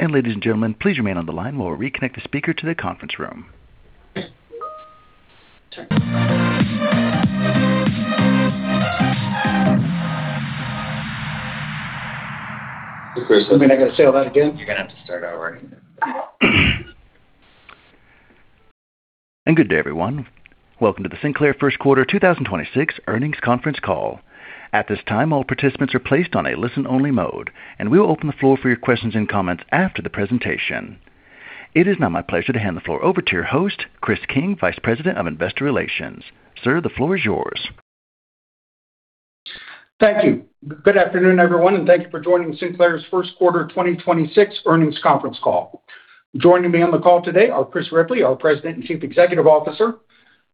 Good day, everyone. Welcome to the Sinclair first quarter 2026 earnings conference call. At this time, all participants are placed on a listen-only mode, and we will open the floor for your questions and comments after the presentation. It is now my pleasure to hand the floor over to your host, Chris King, Vice President of Investor Relations. Sir, the floor is yours. Thank you. Good afternoon, everyone, and thank you for joining Sinclair's first quarter 2026 earnings conference call. Joining me on the call today are Chris Ripley, our President and Chief Executive Officer;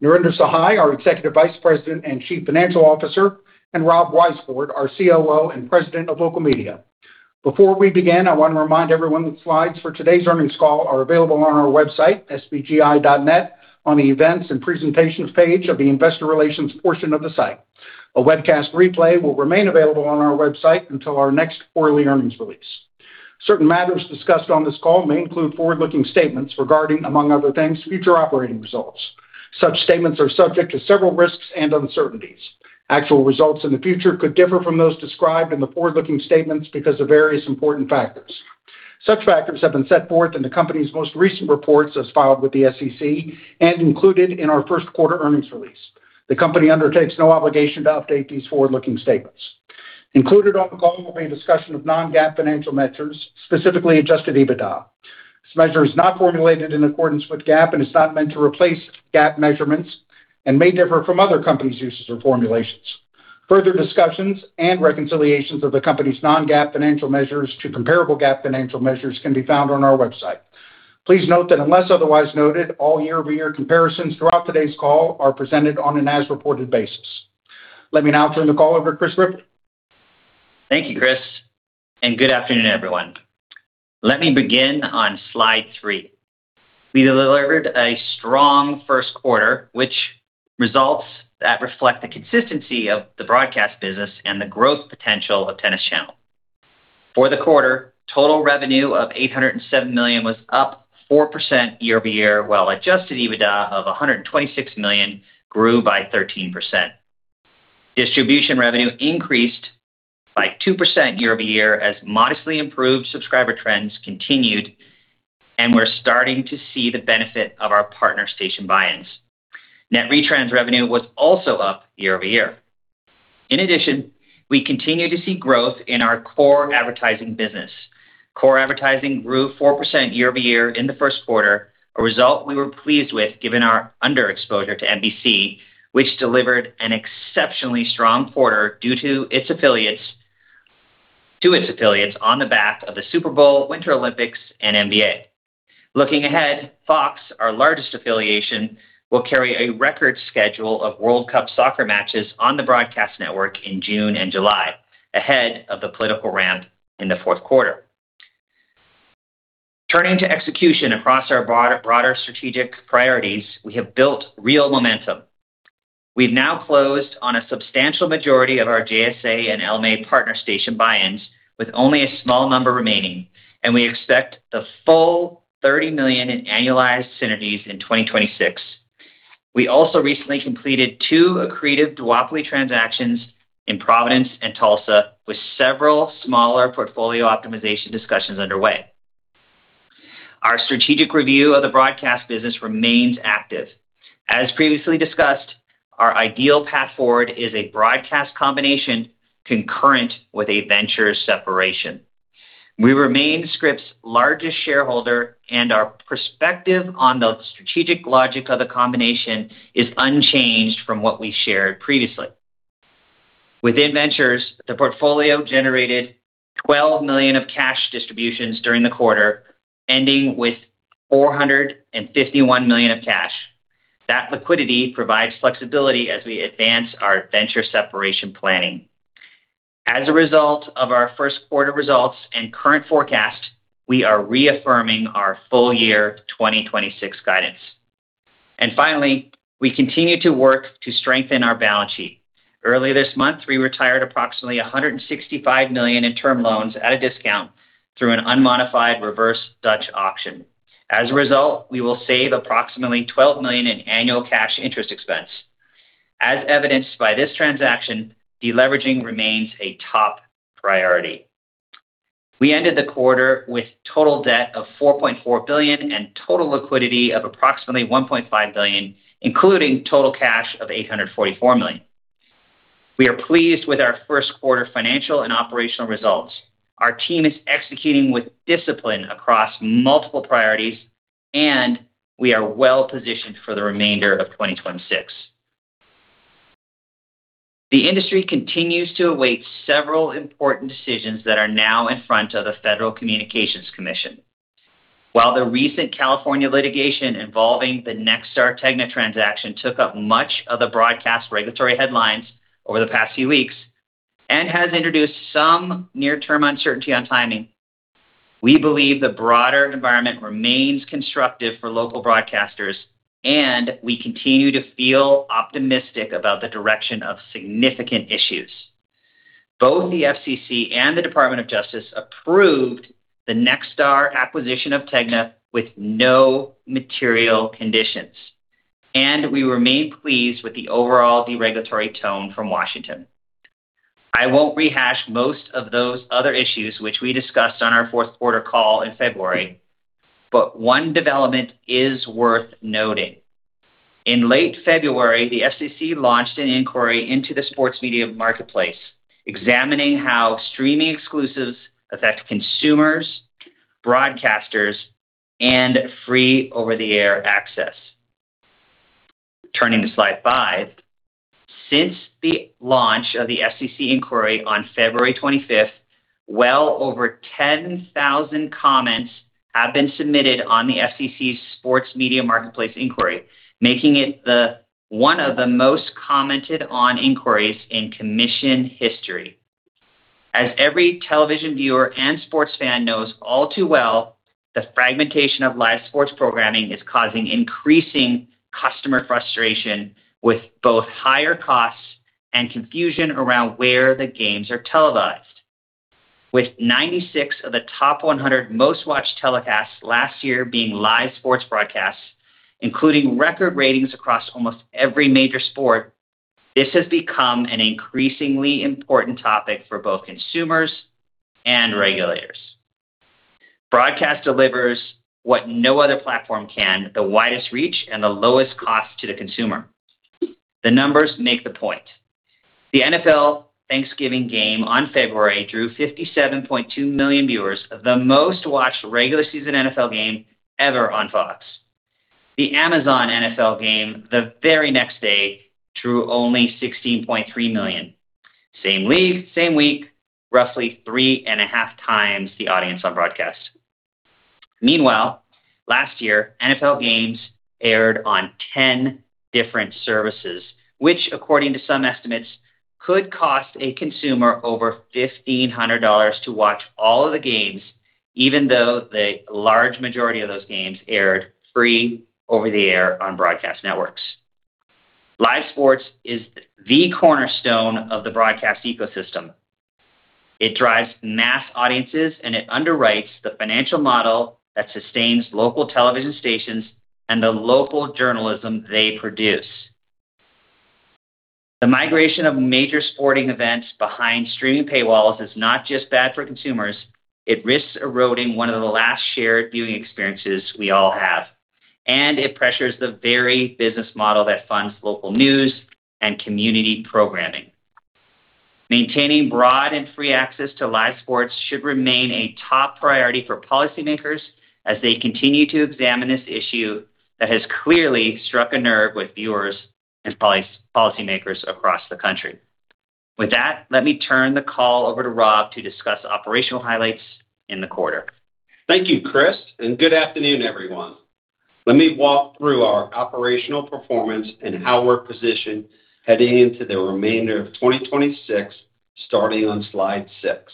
Narinder Sahai, our Executive Vice President and Chief Financial Officer; and Rob Weisbord, our COO and President of Local Media. Before we begin, I want to remind everyone that slides for today's earnings call are available on our website, sbgi.net, on the Events and Presentations page of the Investor Relations portion of the site. A webcast replay will remain available on our website until our next quarterly earnings release. Certain matters discussed on this call may include forward-looking statements regarding, among other things, future operating results. Such statements are subject to several risks and uncertainties. Actual results in the future could differ from those described in the forward-looking statements because of various important factors. Such factors have been set forth in the company's most recent reports as filed with the SEC and included in our first quarter earnings release. The company undertakes no obligation to update these forward-looking statements. Included on the call will be a discussion of non-GAAP financial measures, specifically Adjusted EBITDA. This measure is not formulated in accordance with GAAP and is not meant to replace GAAP measurements and may differ from other companies' uses or formulations. Further discussions and reconciliations of the company's non-GAAP financial measures to comparable GAAP financial measures can be found on our website. Please note that unless otherwise noted, all year-over-year comparisons throughout today's call are presented on an as-reported basis. Let me now turn the call over Chris Ripley. Thank you, Chris. Good afternoon, everyone. Let me begin on slide three. We delivered a strong first quarter, which results that reflect the consistency of the broadcast business and the growth potential of Tennis Channel. For the quarter, total revenue of $807 million was up 4% year-over-year, while Adjusted EBITDA of $126 million grew by 13%. Distribution revenue increased by 2% year-over-year as modestly improved subscriber trends continued. We're starting to see the benefit of our partner station buy-ins. Net retransmission revenue was also up year-over-year. In addition, we continue to see growth in our core advertising business. Core advertising grew 4% year-over-year in the first quarter, a result we were pleased with given our underexposure to NBC, which delivered an exceptionally strong quarter due to its affiliates on the back of the Super Bowl, Winter Olympics, and NBA. Looking ahead, Fox, our largest affiliation, will carry a record schedule of World Cup soccer matches on the broadcast network in June and July, ahead of the political ramp in the fourth quarter. Turning to execution across our broader strategic priorities, we have built real momentum. We've now closed on a substantial majority of our JSA and LMA partner station buy-ins, with only a small number remaining, and we expect the full $30 million in annualized synergies in 2026. We also recently completed two accretive duopoly transactions in Providence and Tulsa, with several smaller portfolio optimization discussions underway. Our strategic review of the broadcast business remains active. As previously discussed, our ideal path forward is a broadcast combination concurrent with a Ventures separation. We remain Scripps' largest shareholder, and our perspective on the strategic logic of the combination is unchanged from what we shared previously. Within Ventures, the portfolio generated $12 million of cash distributions during the quarter, ending with $451 million of cash. That liquidity provides flexibility as we advance our Ventures separation planning. As a result of our first quarter results and current forecast, we are reaffirming our full year 2026 guidance. Finally, we continue to work to strengthen our balance sheet. Early this month, we retired approximately $165 million in term loans at a discount through an unmodified reverse Dutch auction. As a result, we will save approximately $12 million in annual cash interest expense. As evidenced by this transaction, deleveraging remains a top priority. We ended the quarter with total debt of $4.4 billion and total liquidity of approximately $1.5 billion, including total cash of $844 million. We are pleased with our first quarter financial and operational results. Our team is executing with discipline across multiple priorities, and we are well-positioned for the remainder of 2026. The industry continues to await several important decisions that are now in front of the Federal Communications Commission. While the recent California litigation involving the Nexstar Tegna transaction took up much of the broadcast regulatory headlines over the past few weeks and has introduced some near-term uncertainty on timing, we believe the broader environment remains constructive for local broadcasters, and we continue to feel optimistic about the direction of significant issues. Both the FCC and the Department of Justice approved the Nexstar acquisition of Tegna with no material conditions, and we remain pleased with the overall deregulatory tone from Washington. I won't rehash most of those other issues which we discussed on our fourth quarter call in February, but one development is worth noting. In late February, the FCC launched an inquiry into the sports media marketplace, examining how streaming exclusives affect consumers, broadcasters, and free over-the-air access. Turning to slide five. Since the launch of the FCC inquiry on February 25th, well over 10,000 comments have been submitted on the FCC's sports media marketplace inquiry, making it one of the most commented on inquiries in commission history. As every television viewer and sports fan knows all too well, the fragmentation of live sports programming is causing increasing customer frustration with both higher costs and confusion around where the games are televised. With 96 of the top 100 most watched telecasts last year being live sports broadcasts, including record ratings across almost every major sport, this has become an increasingly important topic for both consumers and regulators. Broadcast delivers what no other platform can, the widest reach and the lowest cost to the consumer. The numbers make the point. The NFL Thanksgiving game on November drew 57.2 million viewers, the most-watched regular season NFL game ever on Fox. The Amazon NFL game the very next day drew only 16.3 million. Same league, same week, roughly 3.5 times the audience on broadcast. Meanwhile, last year, NFL games aired on 10 different services, which according to some estimates, could cost a consumer over $1,500 to watch all of the games, even though the large majority of those games aired free over-the-air on broadcast networks. Live sports is the cornerstone of the broadcast ecosystem. It drives mass audiences, and it underwrites the financial model that sustains local television stations and the local journalism they produce. The migration of major sporting events behind streaming paywalls is not just bad for consumers, it risks eroding one of the last shared viewing experiences we all have, and it pressures the very business model that funds local news and community programming. Maintaining broad and free access to live sports should remain a top priority for policymakers as they continue to examine this issue that has clearly struck a nerve with viewers and policymakers across the country. With that, let me turn the call over to Rob to discuss operational highlights in the quarter. Thank you, Chris, and good afternoon, everyone. Let me walk through our operational performance and how we're positioned heading into the remainder of 2026, starting on slide six.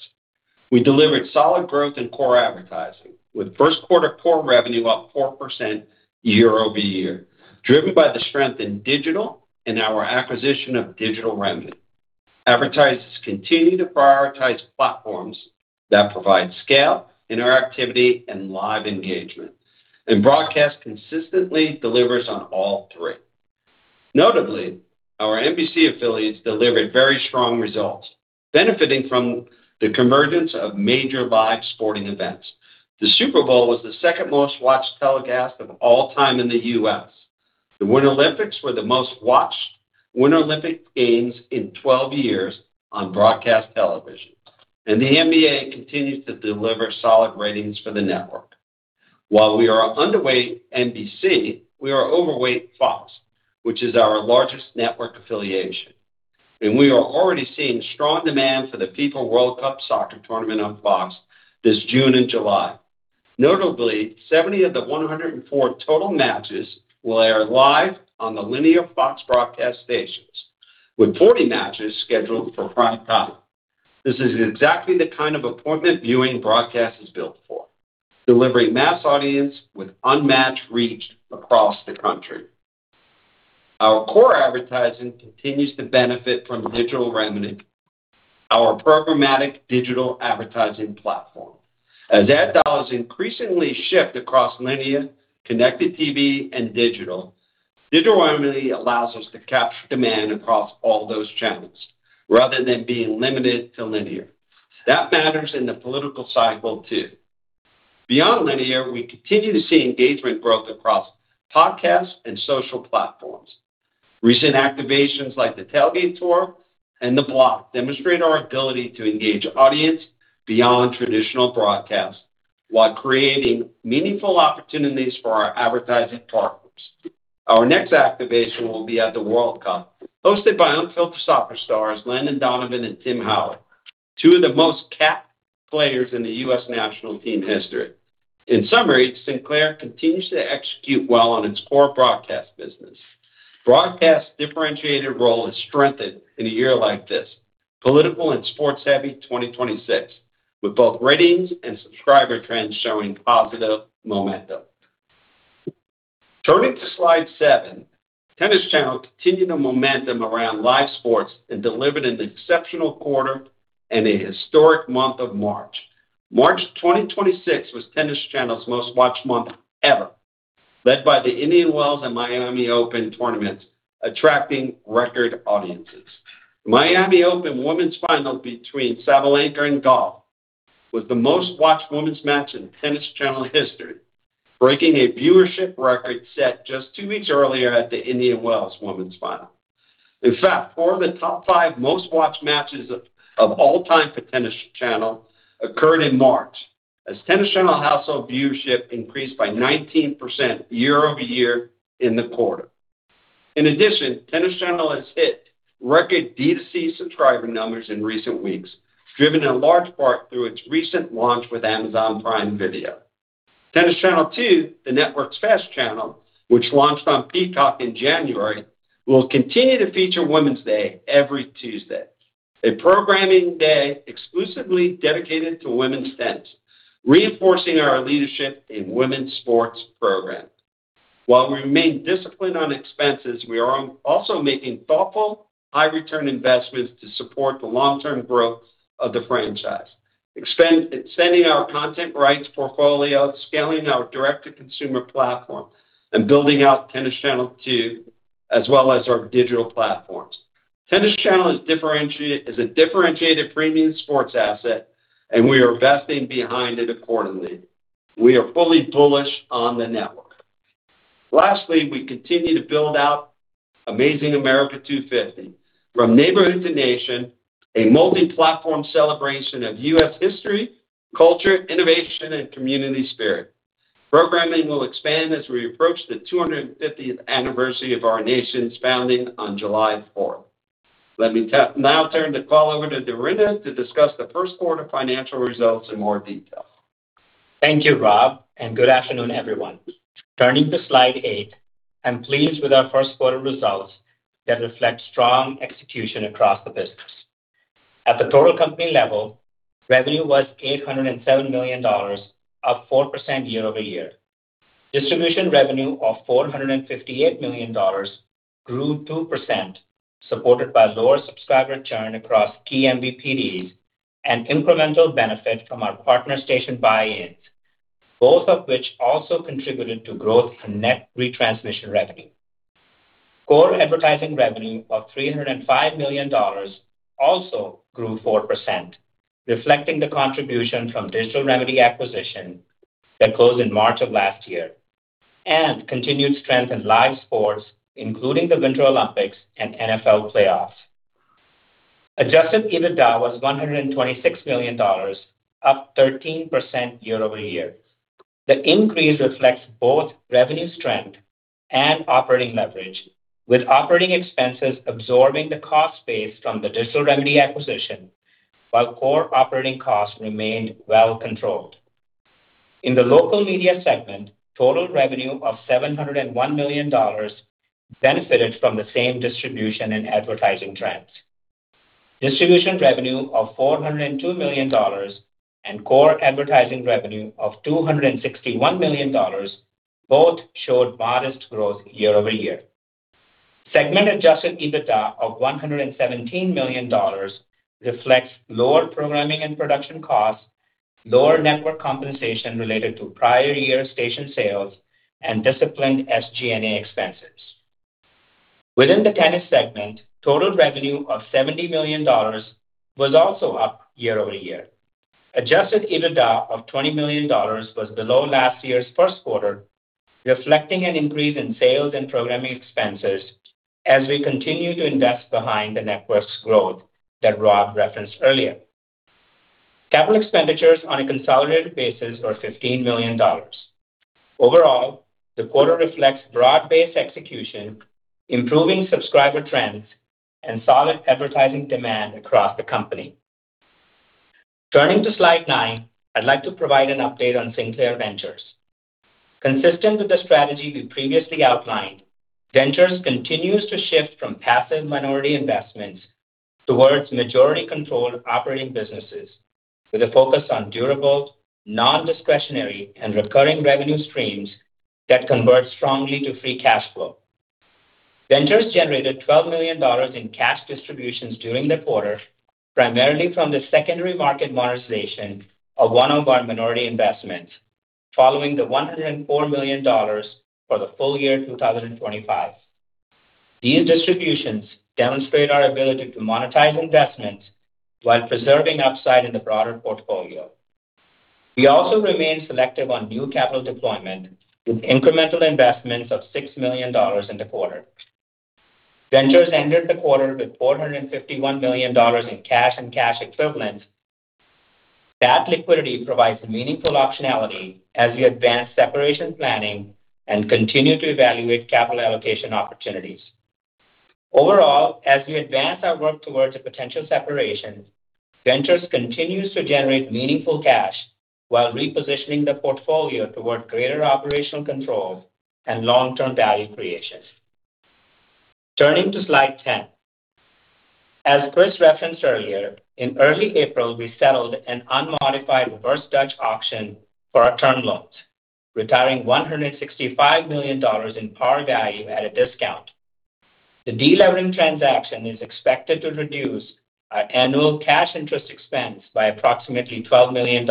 We delivered solid growth in core advertising, with first quarter core revenue up 4% year-over-year, driven by the strength in digital and our acquisition of Digital Remedy. Advertisers continue to prioritize platforms that provide scale, interactivity, and live engagement. Broadcast consistently delivers on all three. Notably, our NBC affiliates delivered very strong results, benefiting from the convergence of major live sporting events. The Super Bowl was the second most-watched telecast of all time in the U.S. The Winter Olympics were the most-watched Winter Olympic Games in 12 years on broadcast television, and the NBA continues to deliver solid ratings for the network. While we are underweight NBC, we are overweight Fox, which is our largest network affiliation, and we are already seeing strong demand for the FIFA World Cup soccer tournament on Fox this June and July. Notably, 70 of the 104 total matches will air live on the linear Fox broadcast stations, with 40 matches scheduled for Prime Time. This is exactly the kind of appointment viewing broadcast is built for, delivering mass audience with unmatched reach across the country. Our core advertising continues to benefit from Digital Remedy, our programmatic digital advertising platform. Ad dollars increasingly shift across linear, connected TV, and digital, Digital Remedy allows us to capture demand across all those channels rather than being limited to linear. That matters in the political cycle too. Beyond linear, we continue to see engagement growth across podcasts and social platforms. Recent activations like the Tailgate Tour and The Block demonstrate our ability to engage audience beyond traditional broadcast, while creating meaningful opportunities for our advertising partners. Our next activation will be at the World Cup, hosted by Unfiltered Soccer stars Landon Donovan and Tim Howard, two of the most capped players in the U.S. national team history. In summary, Sinclair continues to execute well on its core broadcast business. Broadcast differentiated role is strengthened in a year like this, political and sports-heavy 2026, with both ratings and subscriber trends showing positive momentum. Turning to slide seven, Tennis Channel continued the momentum around live sports and delivered an exceptional quarter and a historic month of March. March 2026 was Tennis Channel's most watched month ever, led by the Indian Wells and Miami Open tournaments, attracting record audiences. Miami Open women's final between Sabalenka and Gauff was the most watched women's match in Tennis Channel history, breaking a viewership record set just two weeks earlier at the Indian Wells women's final. In fact, four of the top five most watched matches of all time for Tennis Channel occurred in March as Tennis Channel household viewership increased by 19% year-over-year in the quarter. In addition, Tennis Channel has hit record D2C subscriber numbers in recent weeks, driven in large part through its recent launch with Amazon Prime Video. Tennis Channel 2, the network's FAST channel, which launched on Peacock in January, will continue to feature Women's Day every Tuesday, a programming day exclusively dedicated to women's tennis, reinforcing our leadership in women's sports programming. While we remain disciplined on expenses, we are also making thoughtful, high-return investments to support the long-term growth of the franchise. Expanding our content rights portfolio, scaling our direct-to-consumer platform, and building out Tennis Channel 2, as well as our digital platforms. Tennis Channel is a differentiated premium sports asset, and we are investing behind it accordingly. We are fully bullish on the network. Lastly, we continue to build out Amazing America 250. From neighborhood to nation, a multi-platform celebration of U.S. history, culture, innovation, and community spirit. Programming will expand as we approach the 250th anniversary of our nation's founding on July 4. Let me now turn the call over to Narinder to discuss the first quarter financial results in more detail. Thank you, Rob, good afternoon, everyone. Turning to slide eight, I'm pleased with our first quarter results that reflect strong execution across the business. At the total company level, revenue was $807 million, up 4% year-over-year. Distribution revenue of $458 million grew 2%, supported by lower subscriber churn across key MVPDs and incremental benefit from our partner station buy-ins, both of which also contributed to growth in net retransmission revenue. Core advertising revenue of $305 million also grew 4%, reflecting the contribution from Digital Remedy acquisition that closed in March of last year, continued strength in live sports, including the Winter Olympics and NFL playoffs. Adjusted EBITDA was $126 million, up 13% year-over-year. The increase reflects both revenue strength and operating leverage, with operating expenses absorbing the cost base from the Digital Remedy acquisition, while core operating costs remained well controlled. In the Local Media segment, total revenue of $701 million benefited from the same distribution and advertising trends. Distribution revenue of $402 million and core advertising revenue of $261 million both showed modest growth year-over-year. Segment Adjusted EBITDA of $117 million reflects lower programming and production costs, lower network compensation related to prior year station sales, and disciplined SG&A expenses. Within the Tennis segment, total revenue of $70 million was also up year-over-year. Adjusted EBITDA of $20 million was below last year's first quarter, reflecting an increase in sales and programming expenses as we continue to invest behind the network's growth that Rob referenced earlier. Capital expenditures on a consolidated basis are $15 million. Overall, the quarter reflects broad-based execution, improving subscriber trends and solid advertising demand across the company. Turning to slide nine, I'd like to provide an update on Sinclair Ventures. Consistent with the strategy we previously outlined, Ventures continues to shift from passive minority investments towards majority-controlled operating businesses with a focus on durable, non-discretionary and recurring revenue streams that convert strongly to free cash flow. Ventures generated $12 million in cash distributions during the quarter, primarily from the secondary market monetization of one of our minority investments, following the $104 million for the full year 2025. These distributions demonstrate our ability to monetize investments while preserving upside in the broader portfolio. We also remain selective on new capital deployment with incremental investments of $6 million in the quarter. Ventures ended the quarter with $451 million in cash and cash equivalents. That liquidity provides meaningful optionality as we advance separation planning and continue to evaluate capital allocation opportunities. Overall, as we advance our work towards a potential separation, Ventures continues to generate meaningful cash while repositioning the portfolio toward greater operational control and long-term value creation. Turning to slide 10. As Chris referenced earlier, in early April, we settled an unmodified reverse Dutch auction for our term loans, retiring $165 million in par value at a discount. The de-levering transaction is expected to reduce our annual cash interest expense by approximately $12 million.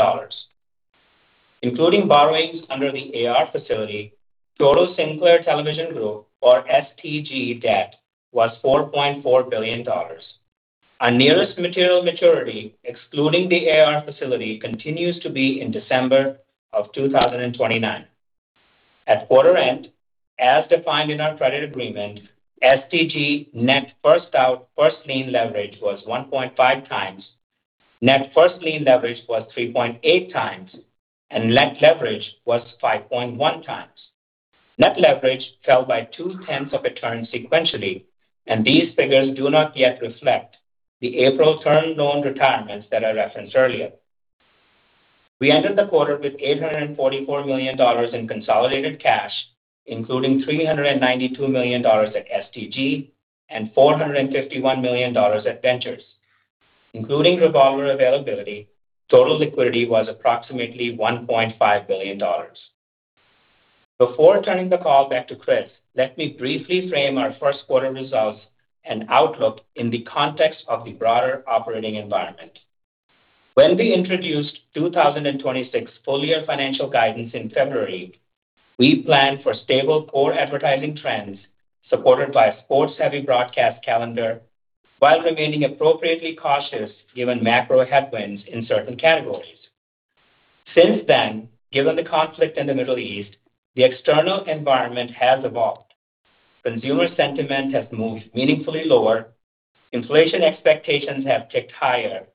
Including borrowings under the AR facility, total Sinclair Television Group, or STG debt, was $4.4 billion. Our nearest material maturity, excluding the AR facility, continues to be in December of 2029. At quarter end, as defined in our credit agreement, STG net first-out first lien leverage was 1.5x. Net first lien leverage was 3.8x, and net leverage was 5.1x. Net leverage fell by 0.2 of a turn sequentially, and these figures do not yet reflect the April term loan retirements that I referenced earlier. We ended the quarter with $844 million in consolidated cash, including $392 million at STG and $451 million at Ventures. Including revolver availability, total liquidity was approximately $1.5 billion. Before turning the call back to Chris, let me briefly frame our first quarter results and outlook in the context of the broader operating environment. When we introduced 2026 full-year financial guidance in February, we planned for stable core advertising trends supported by a sports-heavy broadcast calendar while remaining appropriately cautious given macro headwinds in certain categories. Since then, given the conflict in the Middle East, the external environment has evolved. Consumer sentiment has moved meaningfully lower, inflation expectations have ticked higher,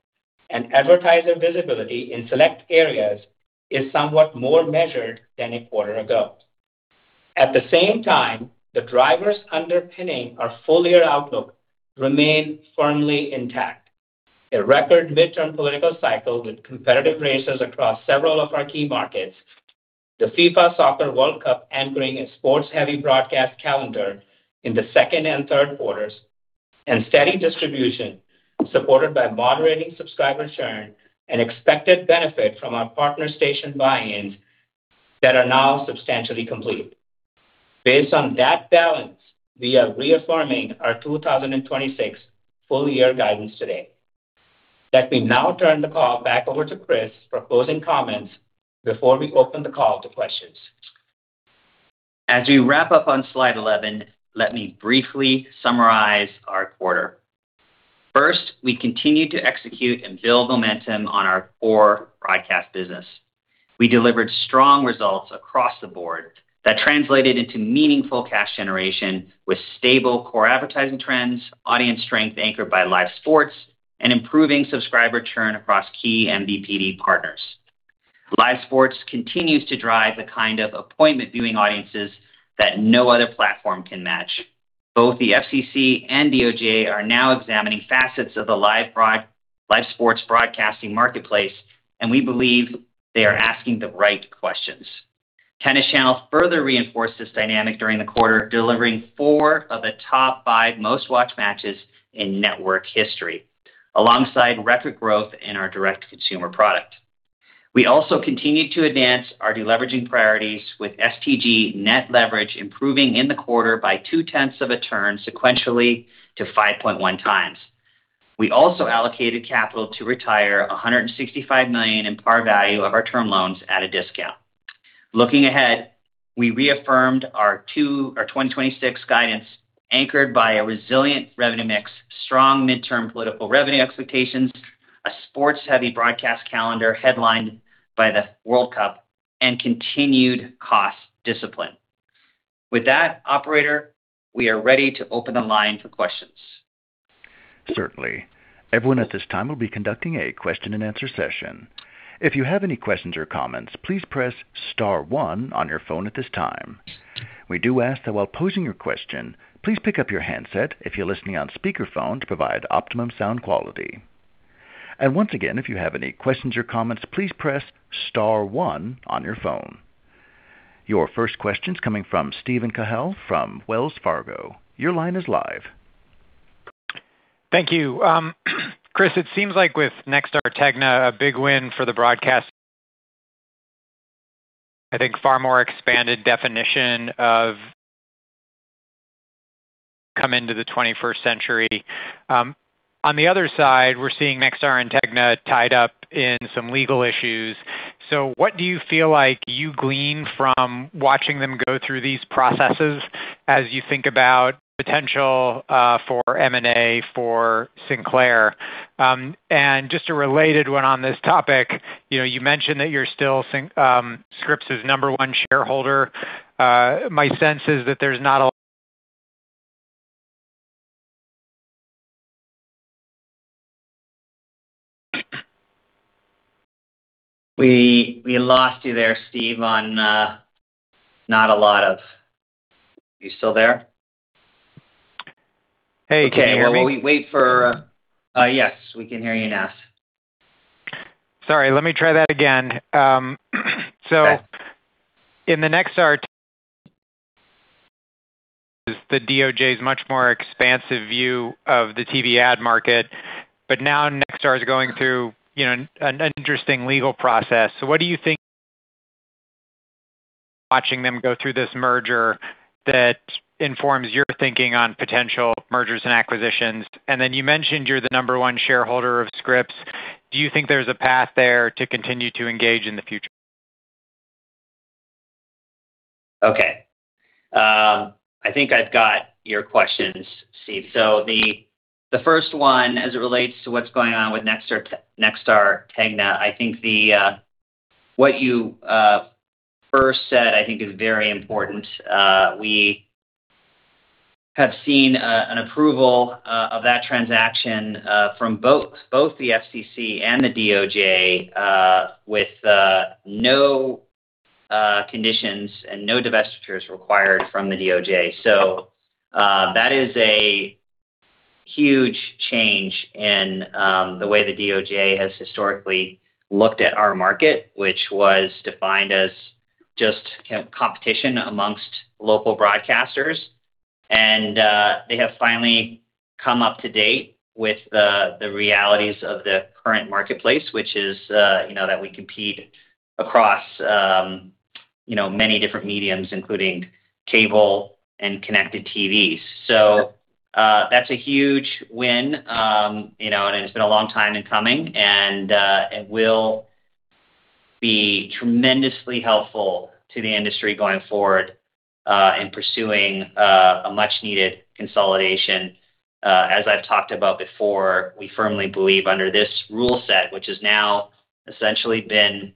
and advertiser visibility in select areas is somewhat more measured than a quarter ago. At the same time, the drivers underpinning our full-year outlook remain firmly intact. A record midterm political cycle with competitive races across several of our key markets, the FIFA World Cup anchoring a sports-heavy broadcast calendar in the second and third quarters, and steady distribution supported by moderating subscriber churn and expected benefit from our partner station buy-ins that are now substantially complete. Based on that balance, we are reaffirming our 2026 full-year guidance today. Let me now turn the call back over to Chris for closing comments before we open the call to questions. As we wrap up on slide 11, let me briefly summarize our quarter. First, we continued to execute and build momentum on our core broadcast business. We delivered strong results across the board that translated into meaningful cash generation with stable core advertising trends, audience strength anchored by live sports, and improving subscriber churn across key MVPD partners. Live sports continues to drive the kind of appointment viewing audiences that no other platform can match. Both the FCC and DOJ are now examining facets of the live sports broadcasting marketplace, and we believe they are asking the right questions. Tennis Channel further reinforced this dynamic during the quarter, delivering four of the top five most-watched matches in network history, alongside record growth in our direct consumer product. We also continued to advance our deleveraging priorities with STG net leverage improving in the quarter by 0.2 of a turn sequentially to 5.1x. We also allocated capital to retire $165 million in par value of our term loans at a discount. Looking ahead, we reaffirmed our 2026 guidance, anchored by a resilient revenue mix, strong midterm political revenue expectations, a sports-heavy broadcast calendar headlined by the World Cup, and continued cost discipline. With that, operator, we are ready to open the line for questions. Certainly. Everyone at this time will be conducting a question-and-answer session. If you have any questions or comments, please press star one on your phone at this time. We do ask that while posing your question, please pick up your handset if you're listening on speakerphone to provide optimum sound quality. Once again, if you have any questions or comments, please press star one on your phone. Your first question's coming from Steven Cahall from Wells Fargo. Your line is live. Thank you. Chris, it seems like with Nexstar Tegna, a big win for the broadcast, I think far more expanded definition of come into the 21st century. On the other side, we're seeing Nexstar and Tegna tied up in some legal issues. What do you feel like you glean from watching them go through these processes as you think about potential for M&A for Sinclair? Just a related one on this topic. You know, you mentioned that you're still Scripps' number one shareholder. My sense is that there's not- We lost you there, Steve, on, not a lot of. You still there? Hey, can you hear me? Okay. Well, we'll wait for. Yes, we can hear you now. Sorry. Let me try that again. Okay. In the Nexstar, the DOJ's much more expansive view of the TV ad market, but now Nexstar is going through, you know, an interesting legal process. What do you think watching them go through this merger that informs your thinking on potential mergers and acquisitions? You mentioned you're the number one shareholder of Scripps. Do you think there's a path there to continue to engage in the future? Okay. I think I've got your questions, Steve. The first one as it relates to what's going on with Nexstar Tegna, I think what you first said, I think is very important. We have seen an approval of that transaction from both the FCC and the DOJ with no conditions and no divestitures required from the DOJ. That is a huge change in the way the DOJ has historically looked at our market, which was defined as just competition amongst local broadcasters. They have finally come up to date with the realities of the current marketplace, which is, you know, that we compete across, you know, many different mediums, including cable and connected TVs. That's a huge win, you know, and it's been a long time in coming, and it will be tremendously helpful to the industry going forward in pursuing a much needed consolidation. As I've talked about before, we firmly believe under this rule set, which has now essentially been,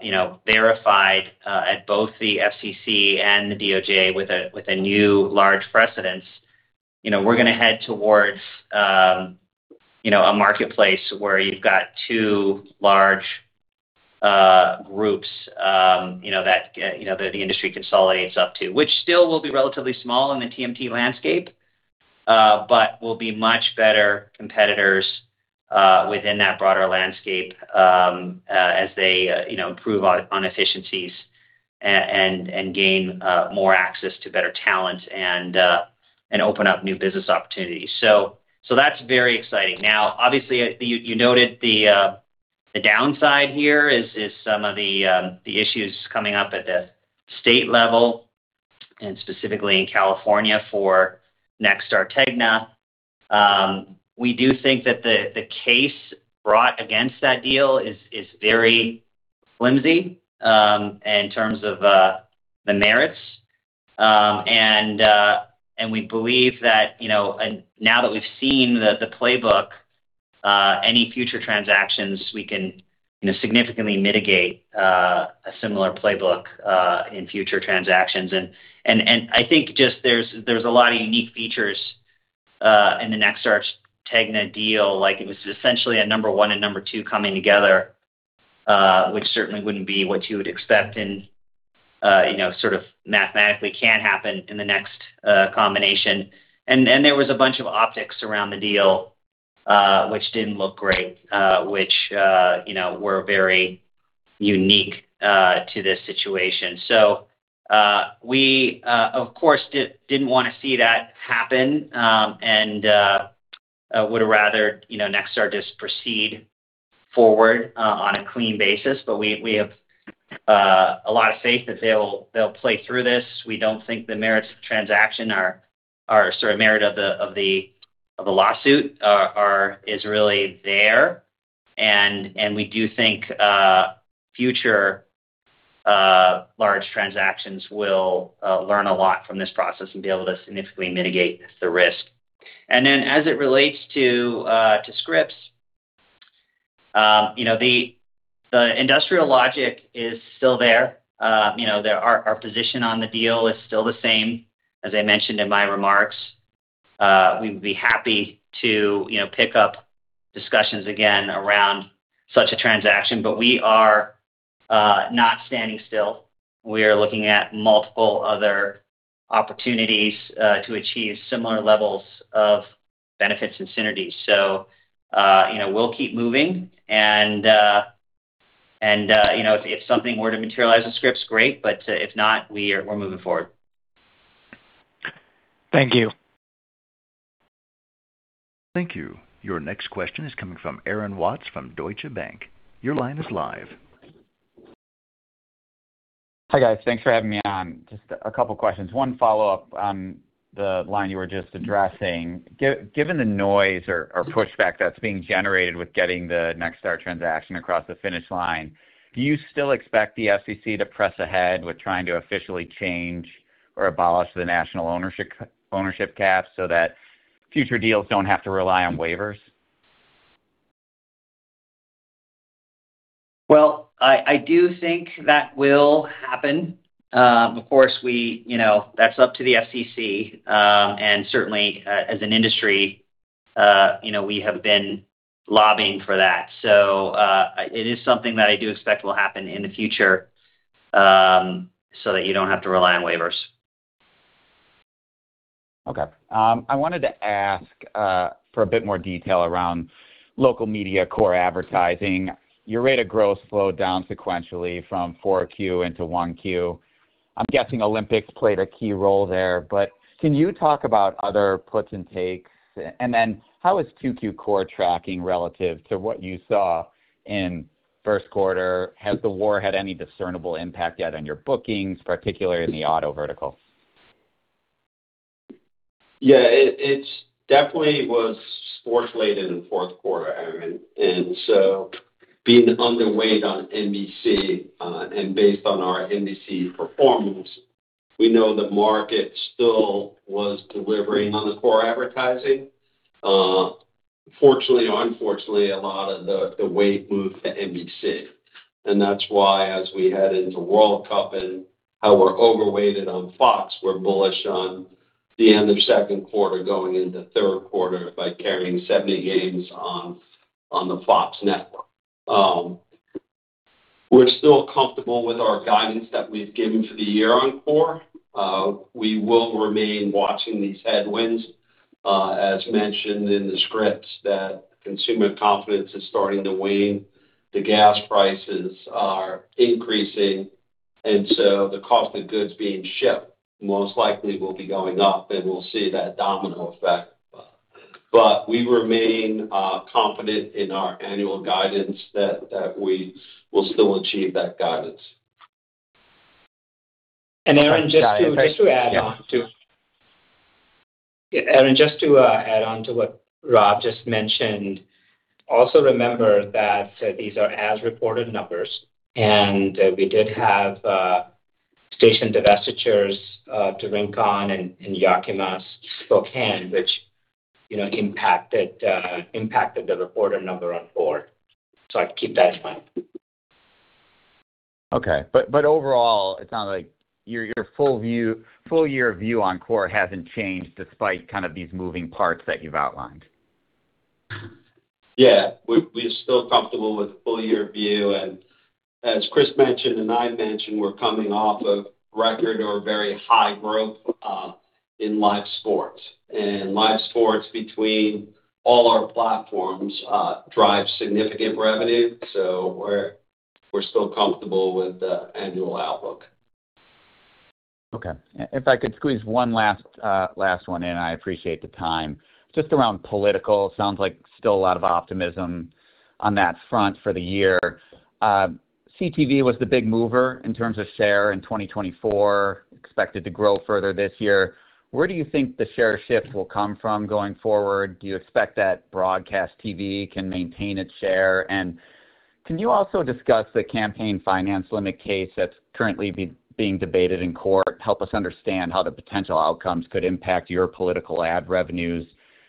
you know, verified at both the FCC and the DOJ with a new large precedence. You know, we're gonna head towards, you know, a marketplace where you've got two large groups, you know, that, you know, the industry consolidates up to, which still will be relatively small in the TMT landscape, but will be much better competitors within that broader landscape, as they, you know, improve on efficiencies and gain more access to better talent and open up new business opportunities. That's very exciting. Obviously, you noted the downside here is some of the issues coming up at the state level and specifically in California for Nexstar Tegna. We do think that the case brought against that deal is very flimsy in terms of the merits. We believe that, you know, now that we've seen the playbook, any future transactions we can, you know, significantly mitigate a similar playbook in future transactions. I think just there's a lot of unique features in the Nexstar Tegna deal. Like it was essentially a number one and number two coming together, which certainly wouldn't be what you would expect and, you know, sort of mathematically can happen in the next combination. There was a bunch of optics around the deal, which didn't look great, which, you know, were very unique to this situation. We, of course, didn't want to see that happen, would rather, you know, Nexstar just proceed forward on a clean basis. We have a lot of faith that they'll play through this. We don't think the merit of the lawsuit is really there. We do think future large transactions will learn a lot from this process and be able to significantly mitigate the risk. As it relates to Scripps, you know, the industrial logic is still there. You know, our position on the deal is still the same. As I mentioned in my remarks, we'd be happy to, you know, pick up discussions again around such a transaction, but we are not standing still. We are looking at multiple other opportunities to achieve similar levels of benefits and synergies. You know, we'll keep moving and, you know, if something were to materialize with Scripps, great, but, if not, we're moving forward. Thank you. Thank you. Your next question is coming from Aaron Watts from Deutsche Bank. Your line is live. Hi, guys. Thanks for having me on. Just a couple of questions. One follow-up on the line you were just addressing. Given the noise or pushback that's being generated with getting the Nexstar transaction across the finish line, do you still expect the FCC to press ahead with trying to officially change or abolish the national ownership caps so that future deals don't have to rely on waivers? Well, I do think that will happen. Of course, we, you know, that's up to the FCC, and certainly, as an industry, you know, we have been lobbying for that. It is something that I do expect will happen in the future, so that you don't have to rely on waivers. Okay. I wanted to ask for a bit more detail around Local Media core advertising. Your rate of growth slowed down sequentially from 4Q into 1Q. I'm guessing Olympics played a key role there. Can you talk about other puts and takes? How is Q2 core tracking relative to what you saw in first quarter? Has the war had any discernible impact yet on your bookings, particularly in the auto vertical? Yeah, it's definitely was sports-laden in fourth quarter, Aaron. Being underweight on NBC, and based on our NBC performance, we know the market still was delivering on the core advertising. Fortunately or unfortunately, a lot of the weight moved to NBC. That's why as we head into World Cup and how we're overweighted on Fox, we're bullish on the end of second quarter going into third quarter by carrying 70 games on the Fox network. We're still comfortable with our guidance that we've given for the year on core. We will remain watching these headwinds, as mentioned in the scripts, that consumer confidence is starting to wane. The gas prices are increasing, the cost of goods being shipped most likely will be going up, and we'll see that domino effect. We remain confident in our annual guidance that we will still achieve that guidance. Aaron- Got it.... just to add on to- Yeah. Aaron, just to add on to what Rob just mentioned, also remember that these are as-reported numbers. We did have station divestitures to Rincon and Yakima, Spokane, which, you know, impacted the reported number on core. I'd keep that in mind. Okay. Overall, it sounds like your full-year view on core hasn't changed despite kind of these moving parts that you've outlined. Yeah. We are still comfortable with the full-year view. As Chris mentioned and I mentioned, we're coming off of record or very high growth in live sports. Live sports between all our platforms drive significant revenue, so we're still comfortable with the annual outlook. Okay. If I could squeeze one last one in, I appreciate the time. Just around political, sounds like still a lot of optimism on that front for the year. CTV was the big mover in terms of share in 2024, expected to grow further this year. Where do you think the share shifts will come from going forward? Do you expect that broadcast TV can maintain its share? Can you also discuss the campaign finance limit case that's currently being debated in court? Help us understand how the potential outcomes could impact your political ad revenues,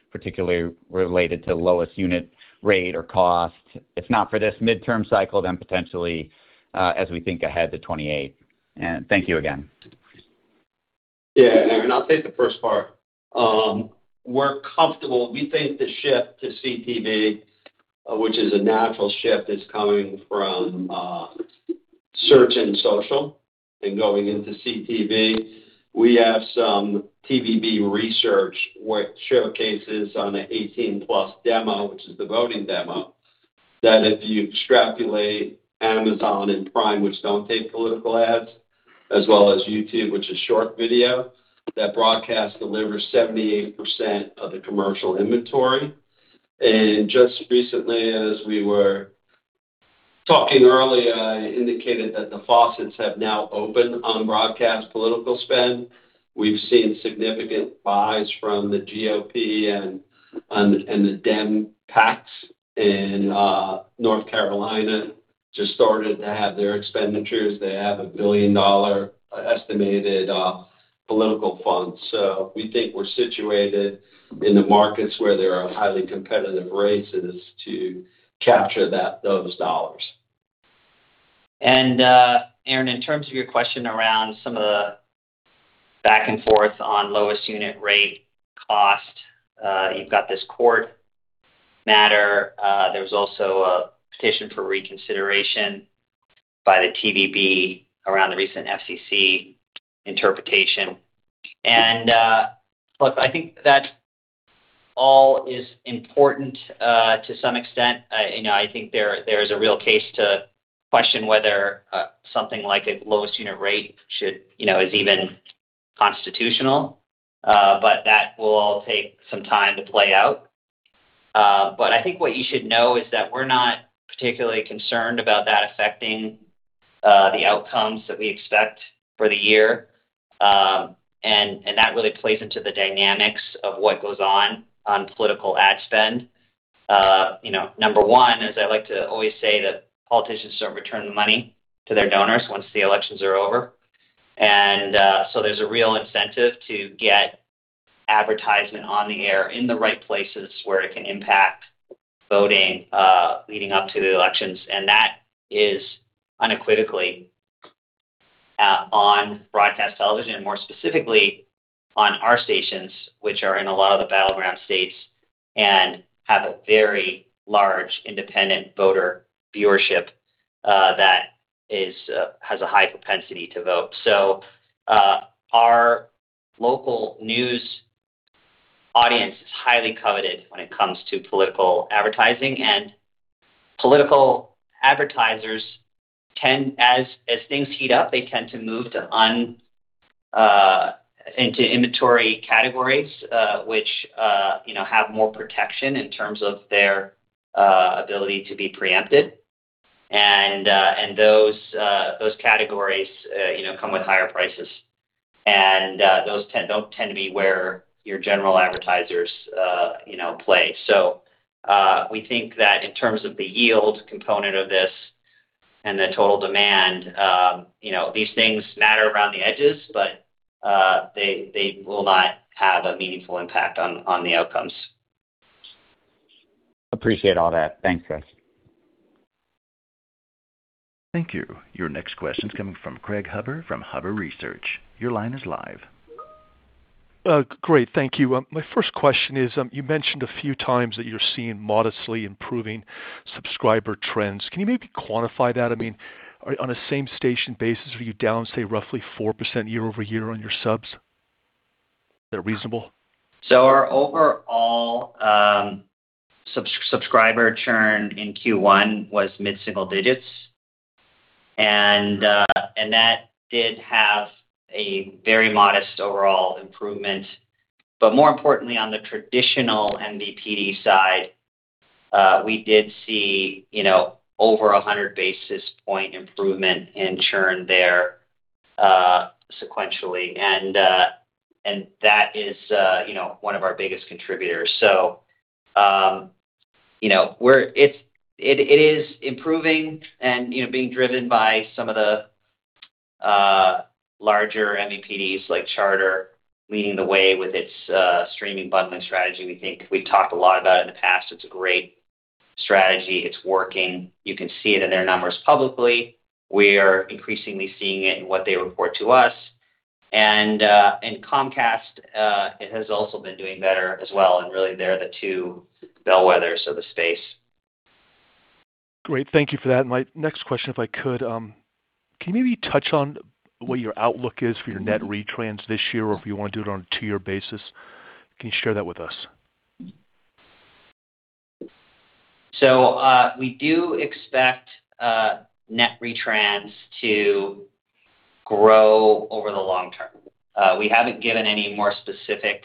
particularly related to lowest unit rate or cost, if not for this midterm cycle, then potentially, as we think ahead to 2028. Thank you again. Yeah, Aaron, I'll take the first part. We're comfortable. We think the shift to CTV, which is a natural shift that's coming from search and social and going into CTV. We have some TVB research which showcases on an 18+ demo, which is the voting demo, that if you extrapolate Amazon and Prime, which don't take political ads, as well as YouTube, which is short video, that broadcast delivers 78% of the commercial inventory. Just recently, as we were talking earlier, I indicated that the faucets have now opened on broadcast political spend. We've seen significant buys from the GOP and the Democratic PACs in North Carolina just started to have their expenditures. They have a billion-dollar estimated political funds. We think we're situated in the markets where there are highly competitive races to capture those dollars. Aaron, in terms of your question around some of the back and forth on lowest unit rate cost, you've got this court matter. There's also a petition for reconsideration by the TVB around the recent FCC interpretation. Look, I think that all is important to some extent. You know, I think there is a real case to question whether something like a lowest unit rate should, you know, is even constitutional. But that will all take some time to play out. But I think what you should know is that we're not particularly concerned about that affecting the outcomes that we expect for the year. That really plays into the dynamics of what goes on on political ad spend. You know, number one is I like to always say that politicians don't return the money to their donors once the elections are over. So there's a real incentive to get advertisement on the air in the right places where it can impact voting leading up to the elections. That is unequivocally on broadcast television, more specifically on our stations, which are in a lot of the battleground states and have a very large independent voter viewership that has a high propensity to vote. Our local news audience is highly coveted when it comes to political advertising. Political advertisers tend, as things heat up, they tend to move into inventory categories which, you know, have more protection in terms of their ability to be preempted. Those categories, you know, come with higher prices. Those don't tend to be where your general advertisers, you know, play. We think that in terms of the yield component of this and the total demand, you know, these things matter around the edges, but they will not have a meaningful impact on the outcomes. Appreciate all that. Thanks, Chris. Thank you. Your next question's coming from Craig Huber from Huber Research. Your line is live. Great. Thank you. My first question is, you mentioned a few times that you're seeing modestly improving subscriber trends. Can you maybe quantify that? I mean, on a same-station basis, are you down, say, roughly 4% year-over-year on your subs? Is that reasonable? Our overall subscriber churn in Q1 was mid-single-digits. That did have a very modest overall improvement. More importantly, on the traditional MVPD side, we did see, you know, over 100-basis point improvement in churn there sequentially. That is, you know, one of our biggest contributors. You know, it is improving and, you know, being driven by some of the larger MVPDs like Charter leading the way with its streaming bundling strategy. We think we've talked a lot about it in the past. It's a great strategy. It's working. You can see it in their numbers publicly. We are increasingly seeing it in what they report to us. Comcast, it has also been doing better as well, and really they're the two bellwethers of the space. Great. Thank you for that. My next question, if I could, can you maybe touch on what your outlook is for your net retransmission this year, or if you want to do it on a two-year basis, can you share that with us? We do expect net retransmission to grow over the long term. We haven't given any more specific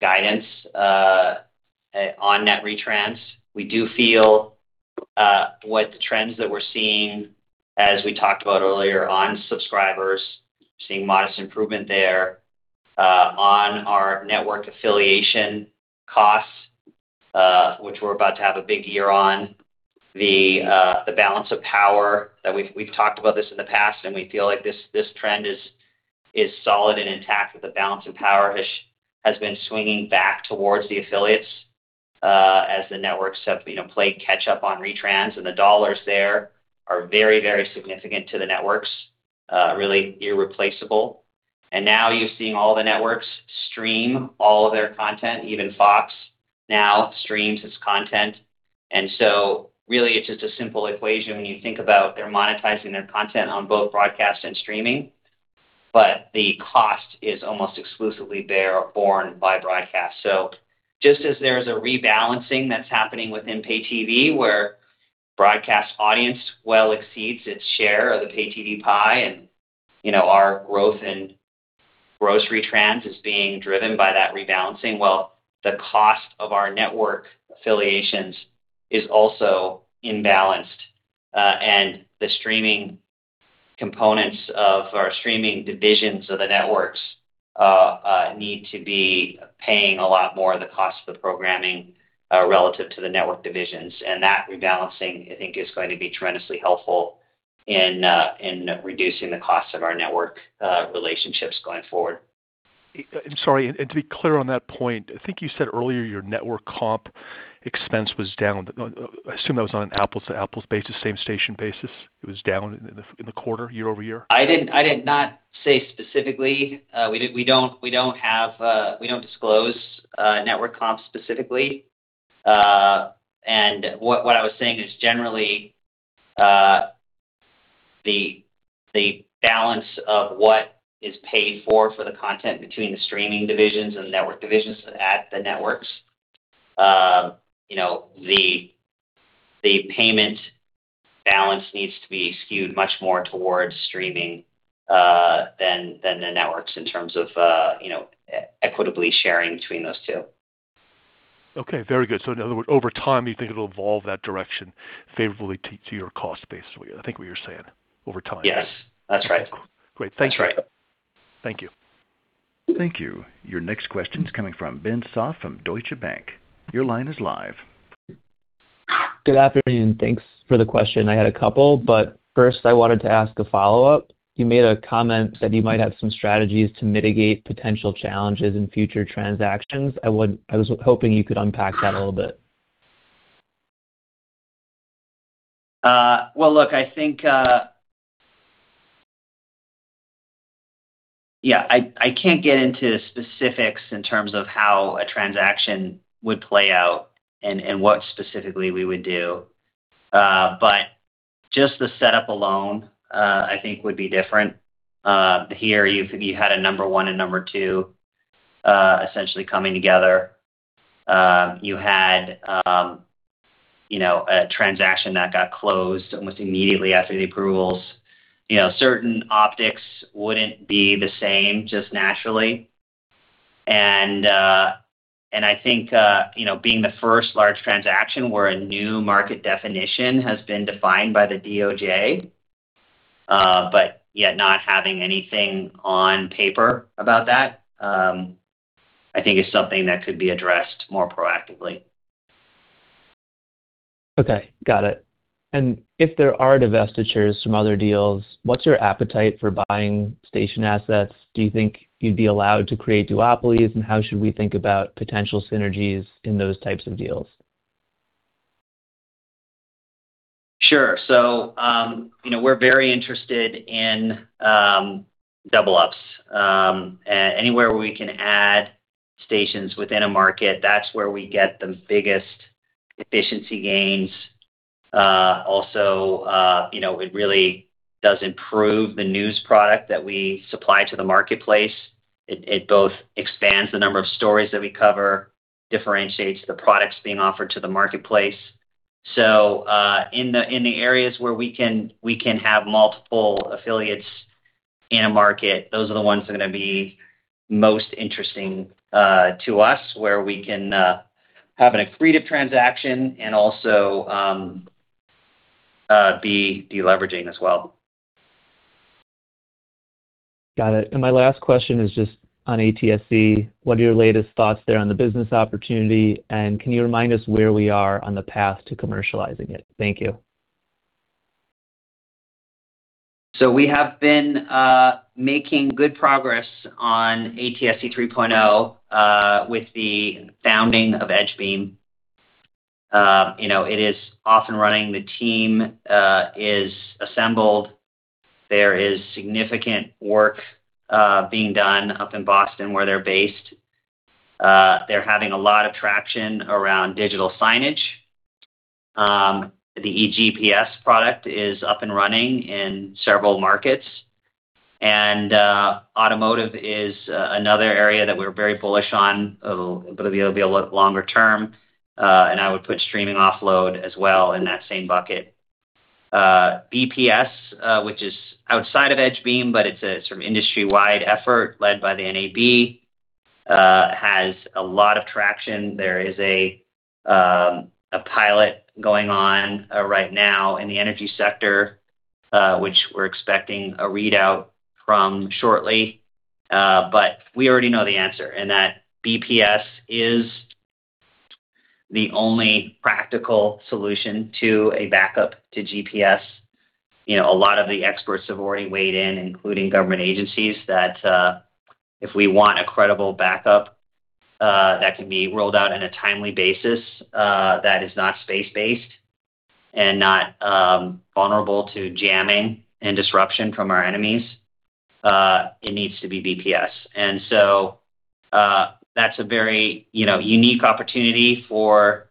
guidance on net retransmission. We do feel with the trends that we're seeing, as we talked about earlier, on subscribers, seeing modest improvement there, on our network affiliation costs, which we're about to have a big year on. The balance of power that we've talked about this in the past, and we feel like this trend is solid and intact, that the balance of power has been swinging back towards the affiliates, as the networks have, you know, played catch up on retransmission. The dollars there are very significant to the networks, really irreplaceable. Now, you see all the networks stream all of their content. Even Fox now streams its content. Really it's just a simple equation when you think about they're monetizing their content on both broadcast and streaming, but the cost is almost exclusively bear or borne by broadcast. Just as there's a rebalancing that's happening within pay TV, where broadcast audience well exceeds its share of the pay TV pie, and, you know, our growth in gross retransmission is being driven by that rebalancing. The cost of our network affiliations is also imbalanced, and the streaming components of our streaming divisions of the networks, need to be paying a lot more of the cost of the programming, relative to the network divisions. That rebalancing, I think, is going to be tremendously helpful in reducing the cost of our network relationships going forward. I'm sorry, and to be clear on that point, I think you said earlier your network comp expense was down. I assume that was on an apples to apples basis, same station basis. It was down in the quarter year-over-year? I didn't, I did not say specifically. We don't have, we don't disclose network comps specifically. What I was saying is generally, the balance of what is paid for the content between the streaming divisions and the network divisions at the networks. You know, the payment balance needs to be skewed much more towards streaming than the networks in terms of, you know, equitably sharing between those two. Okay, very good. In other words, over time, you think it'll evolve that direction favorably to your cost base. I think what you're saying, over time. Yes. That's right. Great. Thank you. That's right. Thank you. Thank you. Your next question is coming from Ben Soff from Deutsche Bank. Your line is live. Good afternoon. Thanks for the question. I had a couple, but first I wanted to ask a follow-up. You made a comment that you might have some strategies to mitigate potential challenges in future transactions. I was hoping you could unpack that a little bit. Well, look, I think, yeah, I can't get into specifics in terms of how a transaction would play out and what specifically we would do. Just the setup alone, I think would be different. Here you had a number one and number two, essentially coming together. You had, you know, a transaction that got closed almost immediately after the approvals. You know, certain optics wouldn't be the same just naturally. I think, you know, being the first large transaction where a new market definition has been defined by the DOJ, but yet not having anything on paper about that, I think is something that could be addressed more proactively. Okay. Got it. If there are divestitures from other deals, what's your appetite for buying station assets? Do you think you'd be allowed to create duopolies, and how should we think about potential synergies in those types of deals? Sure. You know, we're very interested in double ups. Anywhere we can add stations within a market, that's where we get the biggest efficiency gains. Also, you know, it really does improve the news product that we supply to the marketplace. It both expands the number of stories that we cover, differentiates the products being offered to the marketplace. In the areas where we can have multiple affiliates in a market, those are the ones that are gonna be most interesting to us, where we can have an accretive transaction and also be de-leveraging as well. Got it. My last question is just on ATSC. What are your latest thoughts there on the business opportunity, and can you remind us where we are on the path to commercializing it? Thank you. We have been making good progress on ATSC 3.0 with the founding of EdgeBeam. You know, it is off and running. The team is assembled. There is significant work being done up in Boston where they're based. They're having a lot of traction around digital signage. The GPS product is up and running in several markets. Automotive is another area that we're very bullish on. Believe it'll be a lot longer term. I would put streaming offload as well in that same bucket. BPS, which is outside of EdgeBeam, but it's a sort of industry-wide effort led by the NAB, has a lot of traction. There is a pilot going on right now in the energy sector, which we're expecting a readout from shortly. We already know the answer, and that BPS is the only practical solution to a backup to GPS. You know, a lot of the experts have already weighed in, including government agencies, that if we want a credible backup, that can be rolled out on a timely basis, that is not space-based and not vulnerable to jamming and disruption from our enemies, it needs to be BPS. That's a very, you know, unique opportunity for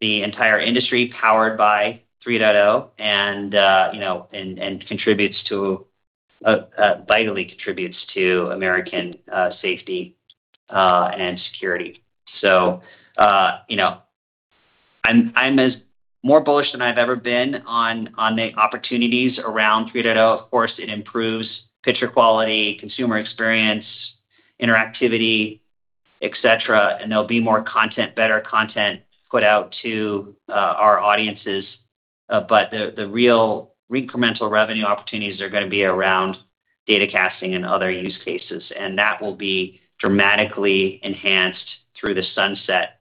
the entire industry powered by 3.0, you know, and contributes to, vitally contributes to American safety and security. You know, I'm as more bullish than I've ever been on the opportunities around 3.0. Of course, it improves picture quality, consumer experience, interactivity, et cetera, and there'll be more content, better content put out to our audiences. The real incremental revenue opportunities are gonna be around datacasting and other use cases, and that will be dramatically enhanced through the sunset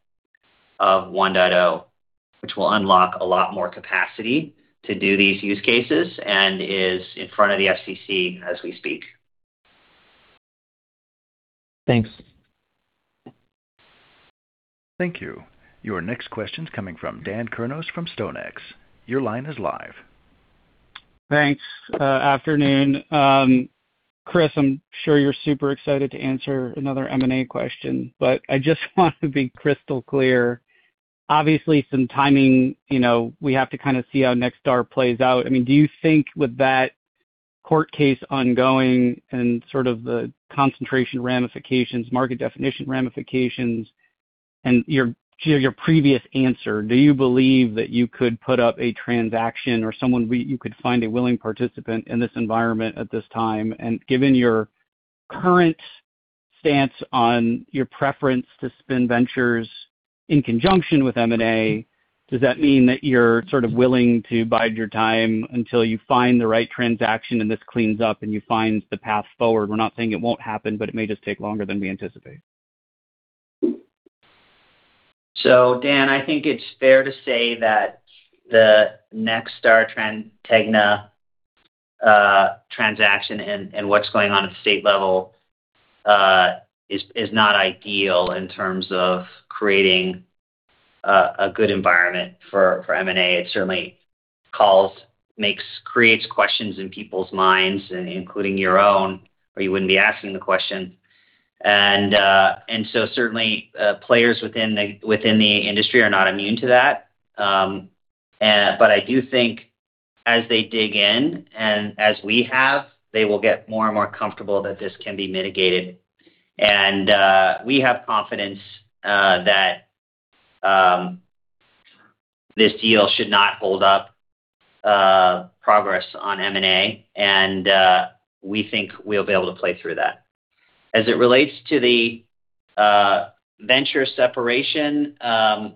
of ATSC 1.0, which will unlock a lot more capacity to do these use cases and is in front of the FCC as we speak. Thanks. Thank you. Your next question's coming from Dan Kurnos from StoneX. Your line is live. Thanks. Afternoon. Chris, I'm sure you're super excited to answer another M&A question, but I just want to be crystal clear. Obviously, from timing, you know, we have to kind of see how that plays out. I mean, do you think with that court case ongoing and sort of the concentration ramifications, market definition ramifications and your, your previous answer, do you believe that you could put up a transaction or someone you could find a willing participant in this environment at this time? Given your current stance on your preference to spin Ventures in conjunction with M&A, does that mean that you're sort of willing to bide your time until you find the right transaction and this cleans up, and you find the path forward? We're not saying it won't happen, but it may just take longer than we anticipate. Dan, I think it's fair to say that the Nexstar Tegna transaction and what's going on at state level is not ideal in terms of creating a good environment for M&A. It certainly creates questions in people's minds, including your own, or you wouldn't be asking the question. Certainly, players within the industry are not immune to that. I do think as they dig in, and as we have, they will get more and more comfortable that this can be mitigated. We have confidence that this deal should not hold up progress on M&A, we think we'll be able to play through that. As it relates to the Ventures separation, you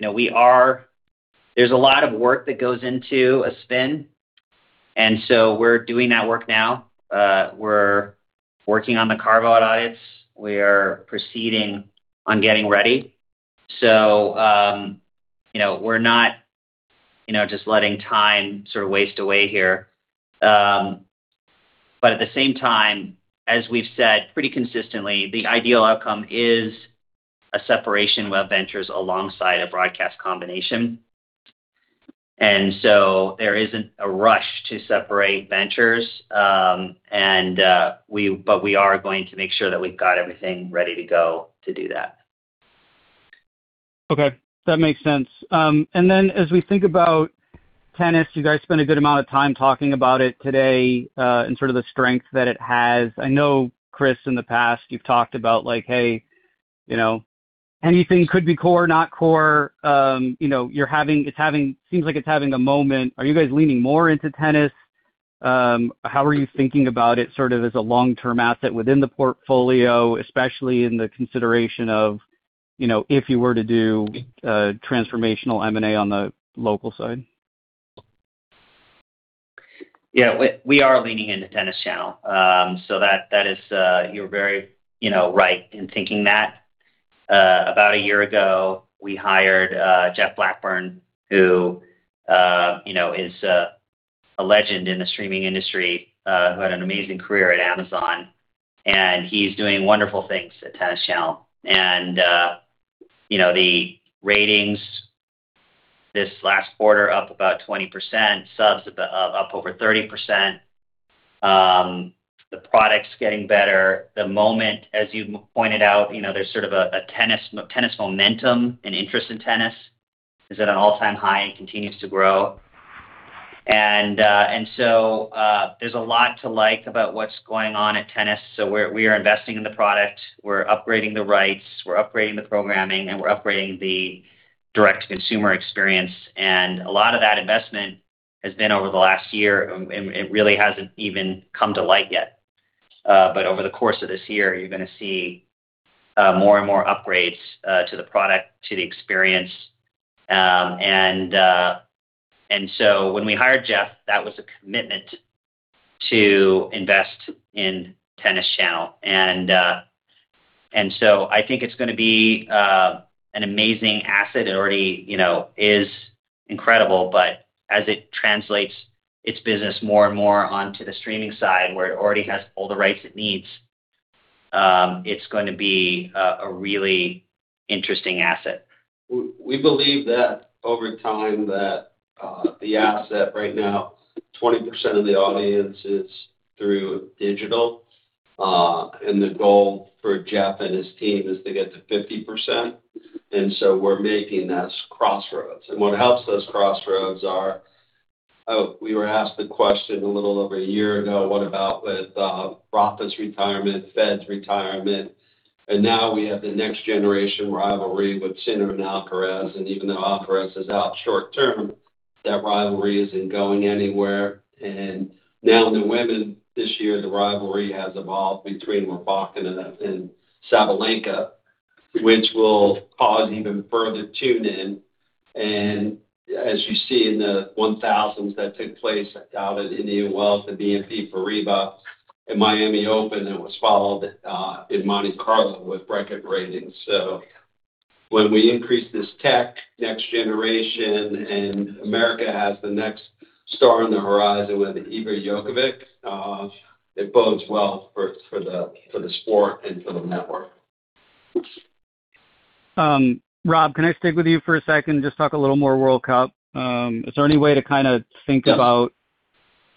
know, there's a lot of work that goes into a spin. We're doing that work now. We're working on the carve-out audits. We are proceeding on getting ready. You know, we're not, you know, just letting time sort of waste away here. At the same time, as we've said pretty consistently, the ideal outcome is a separation of Ventures alongside a broadcast combination. There isn't a rush to separate Ventures. We are going to make sure that we've got everything ready to go to do that. Okay. That makes sense. As we think about tennis, you guys spent a good amount of time talking about it today, sort of the strength that it has. I know, Chris, in the past, you've talked about like, hey, you know, anything could be core, not core. It's having a moment. Are you guys leaning more into tennis? How are you thinking about it sort of as a long-term asset within the portfolio, especially in the consideration of, you know, if you were to do transformational M&A on the local side? Yeah. We are leaning into Tennis Channel. That is, you know, right in thinking that. About a year ago, we hired Jeff Blackburn, who, you know, is a legend in the streaming industry, who had an amazing career at Amazon, he's doing wonderful things at Tennis Channel. You know, the ratings this last quarter up about 20%, subs up over 30%. The product's getting better. The moment, as you pointed out, you know, there's sort of a tennis momentum and interest in tennis is at an all-time high and continues to grow. There's a lot to like about what's going on at Tennis. We are investing in the product. We're upgrading the rights, we're upgrading the programming, and we're upgrading the direct consumer experience. A lot of that investment has been over the last year, it really hasn't even come to light yet. Over the course of this year, you're gonna see more and more upgrades to the product, to the experience. When we hired Jeff, that was a commitment to invest in Tennis Channel. I think it's gonna be an amazing asset. It already, you know, is incredible, but as it translates its business more and more onto the streaming side, where it already has all the rights it needs, it's going to be a really interesting asset. We believe that over time that the asset right now, 20% of the audience is through digital, the goal for Jeff and his team is to get to 50%. We're making those crossroads. What helps those crossroads are—We were asked the question a little over a year ago, what about with Rafa's retirement, Fed's retirement. Now, we have the next generation rivalry with Sinner and Alcaraz. Even though Alcaraz is out short term, that rivalry isn't going anywhere. Now, in the women this year, the rivalry has evolved between Rybakina and Sabalenka, which will cause even further tune in. As you see in the 1,000s that took place at Indian Wells, the BNP Paribas, and Miami Open, was followed in Monte Carlo with record ratings. When we increase this tech next generation and America has the next star on the horizon with Igor Jokovic, it bodes well for the sport and for the network. Rob, can I stick with you for a second and just talk a little more World Cup? Is there any way to kinda think about- Yeah....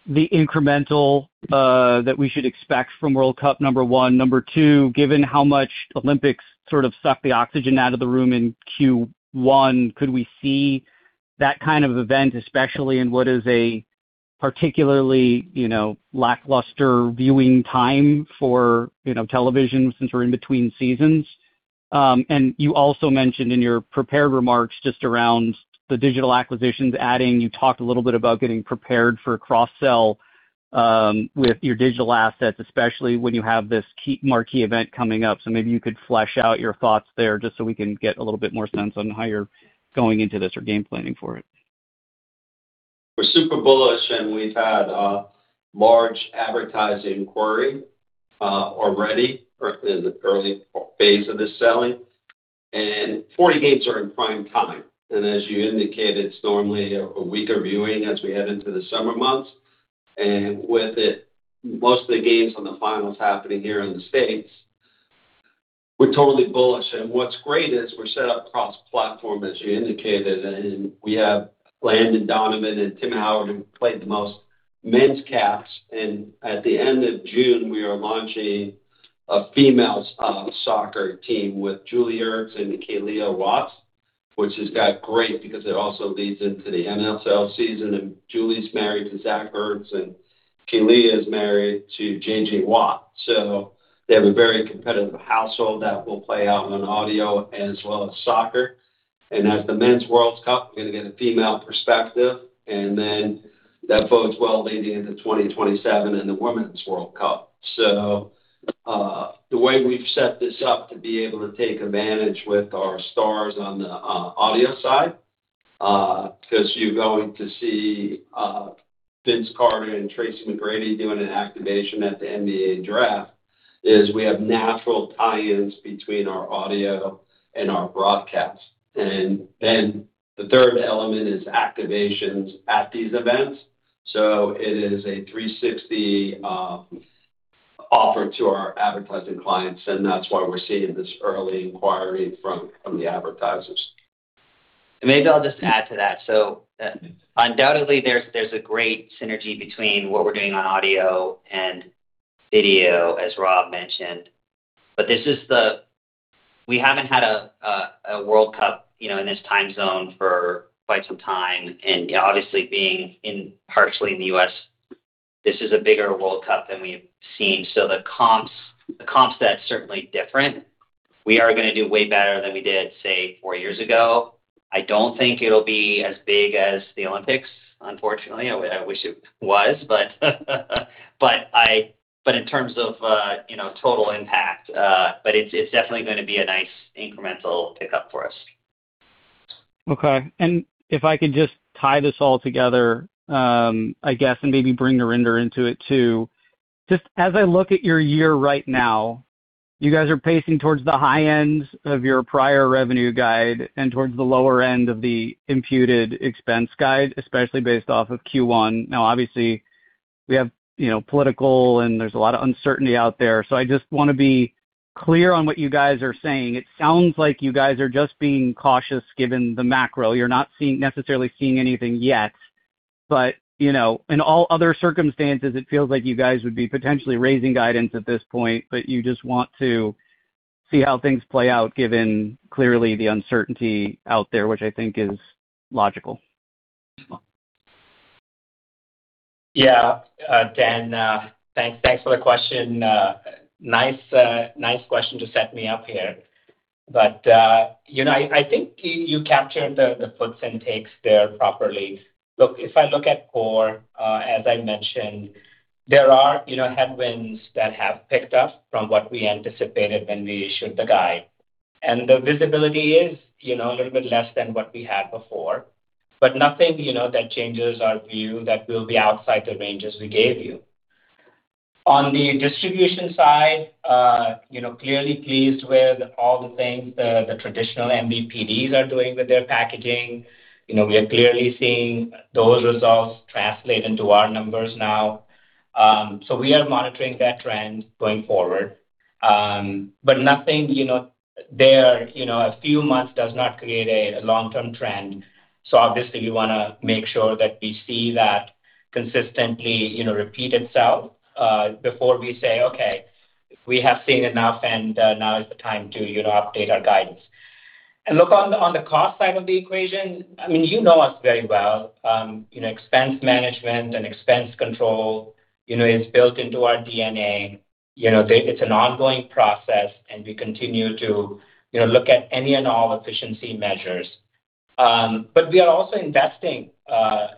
the incremental that we should expect from World Cup, number one? Number two, given how much Olympics sort of sucked the oxygen out of the room in Q1, could we see that kind of event, especially in what is a particularly, you know, lackluster viewing time for, you know, television since we're in between seasons? You also mentioned in your prepared remarks just around the digital acquisitions adding, you talked a little bit about getting prepared for cross-sell with your digital assets, especially when you have this marquee event coming up. Maybe you could flesh out your thoughts there just so we can get a little bit more sense on how you're going into this or game planning for it. We're super bullish, and we've had large advertising query already or in the early phase of the selling. 40 games are in prime time, and as you indicated, it's normally a weaker viewing as we head into the summer months. With it, most of the games on the finals happening here in the U.S., we're totally bullish. What's great is we're set up cross-platform, as you indicated, and we have Landon Donovan and Tim Howard, who played the most men's caps. At the end of June, we are launching a female soccer team with Julie Ertz and Kealia Watt, which has got great because it also leads into the NFL season. Julie's married to Zach Ertz, and Kealia is married to J.J. Watt. They have a very competitive household that will play out on audio as well as soccer. As the Men's World Cup, we're gonna get a female perspective, then that bodes well leading into 2027 and the Women's World Cup. The way we've set this up to be able to take advantage with our stars on the audio side, 'cause you're going to see Vince Carter and Tracy McGrady doing an activation at the NBA draft, is we have natural tie-ins between our audio and our broadcast. The third element is activations at these events. It is a 360 offer to our advertising clients, and that's why we're seeing this early inquiry from the advertisers. Maybe I'll just add to that. Undoubtedly, there's a great synergy between what we're doing on audio and video, as Rob mentioned. This is the—We haven't had a World Cup, you know, in this time zone for quite some time. Obviously, being in partially in the U.S., this is a bigger World Cup than we've seen. The comps, that's certainly different. We are gonna do way better than we did, say, four years ago. I don't think it'll be as big as the Olympics, unfortunately. I wish it was, but in terms of, you know, total impact, but it's definitely gonna be a nice incremental pickup for us. If I could just tie this all together, and maybe bring Narinder into it too. Just as I look at your year right now, you guys are pacing towards the high ends of your prior revenue guide and towards the lower end of the imputed expense guide, especially based off of Q1. Obviously, we have, you know, political and there's a lot of uncertainty out there. I just wanna be clear on what you guys are saying. It sounds like you guys are just being cautious given the macro. You're not necessarily seeing anything yet. You know, in all other circumstances, it feels like you guys would be potentially raising guidance at this point, but you just want to see how things play out, given clearly the uncertainty out there, which I think is logical. Yeah. Dan, thanks for the question. Nice, nice question to set me up here. You know, I think you captured the puts and takes there properly. Look, if I look at core, as I mentioned, there are, you know, headwinds that have picked up from what we anticipated when we issued the guide. The visibility is, you know, a little bit less than what we had before, but nothing, you know, that changes our view that will be outside the ranges we gave you. On the distribution side, you know, clearly pleased with all the things the traditional MVPDs are doing with their packaging. You know, we are clearly seeing those results translate into our numbers now. We are monitoring that trend going forward. Nothing, you know, there, you know, a few months does not create a long-term trend. Obviously, we wanna make sure that we see that consistently, you know, repeat itself before we say, okay, we have seen enough, and now is the time to, you know, update our guidance. Look, on the, on the cost side of the equation, I mean, you know us very well. You know, expense management and expense control, you know, it's built into our DNA. You know, it's an ongoing process, and we continue to, you know, look at any and all efficiency measures. We are also investing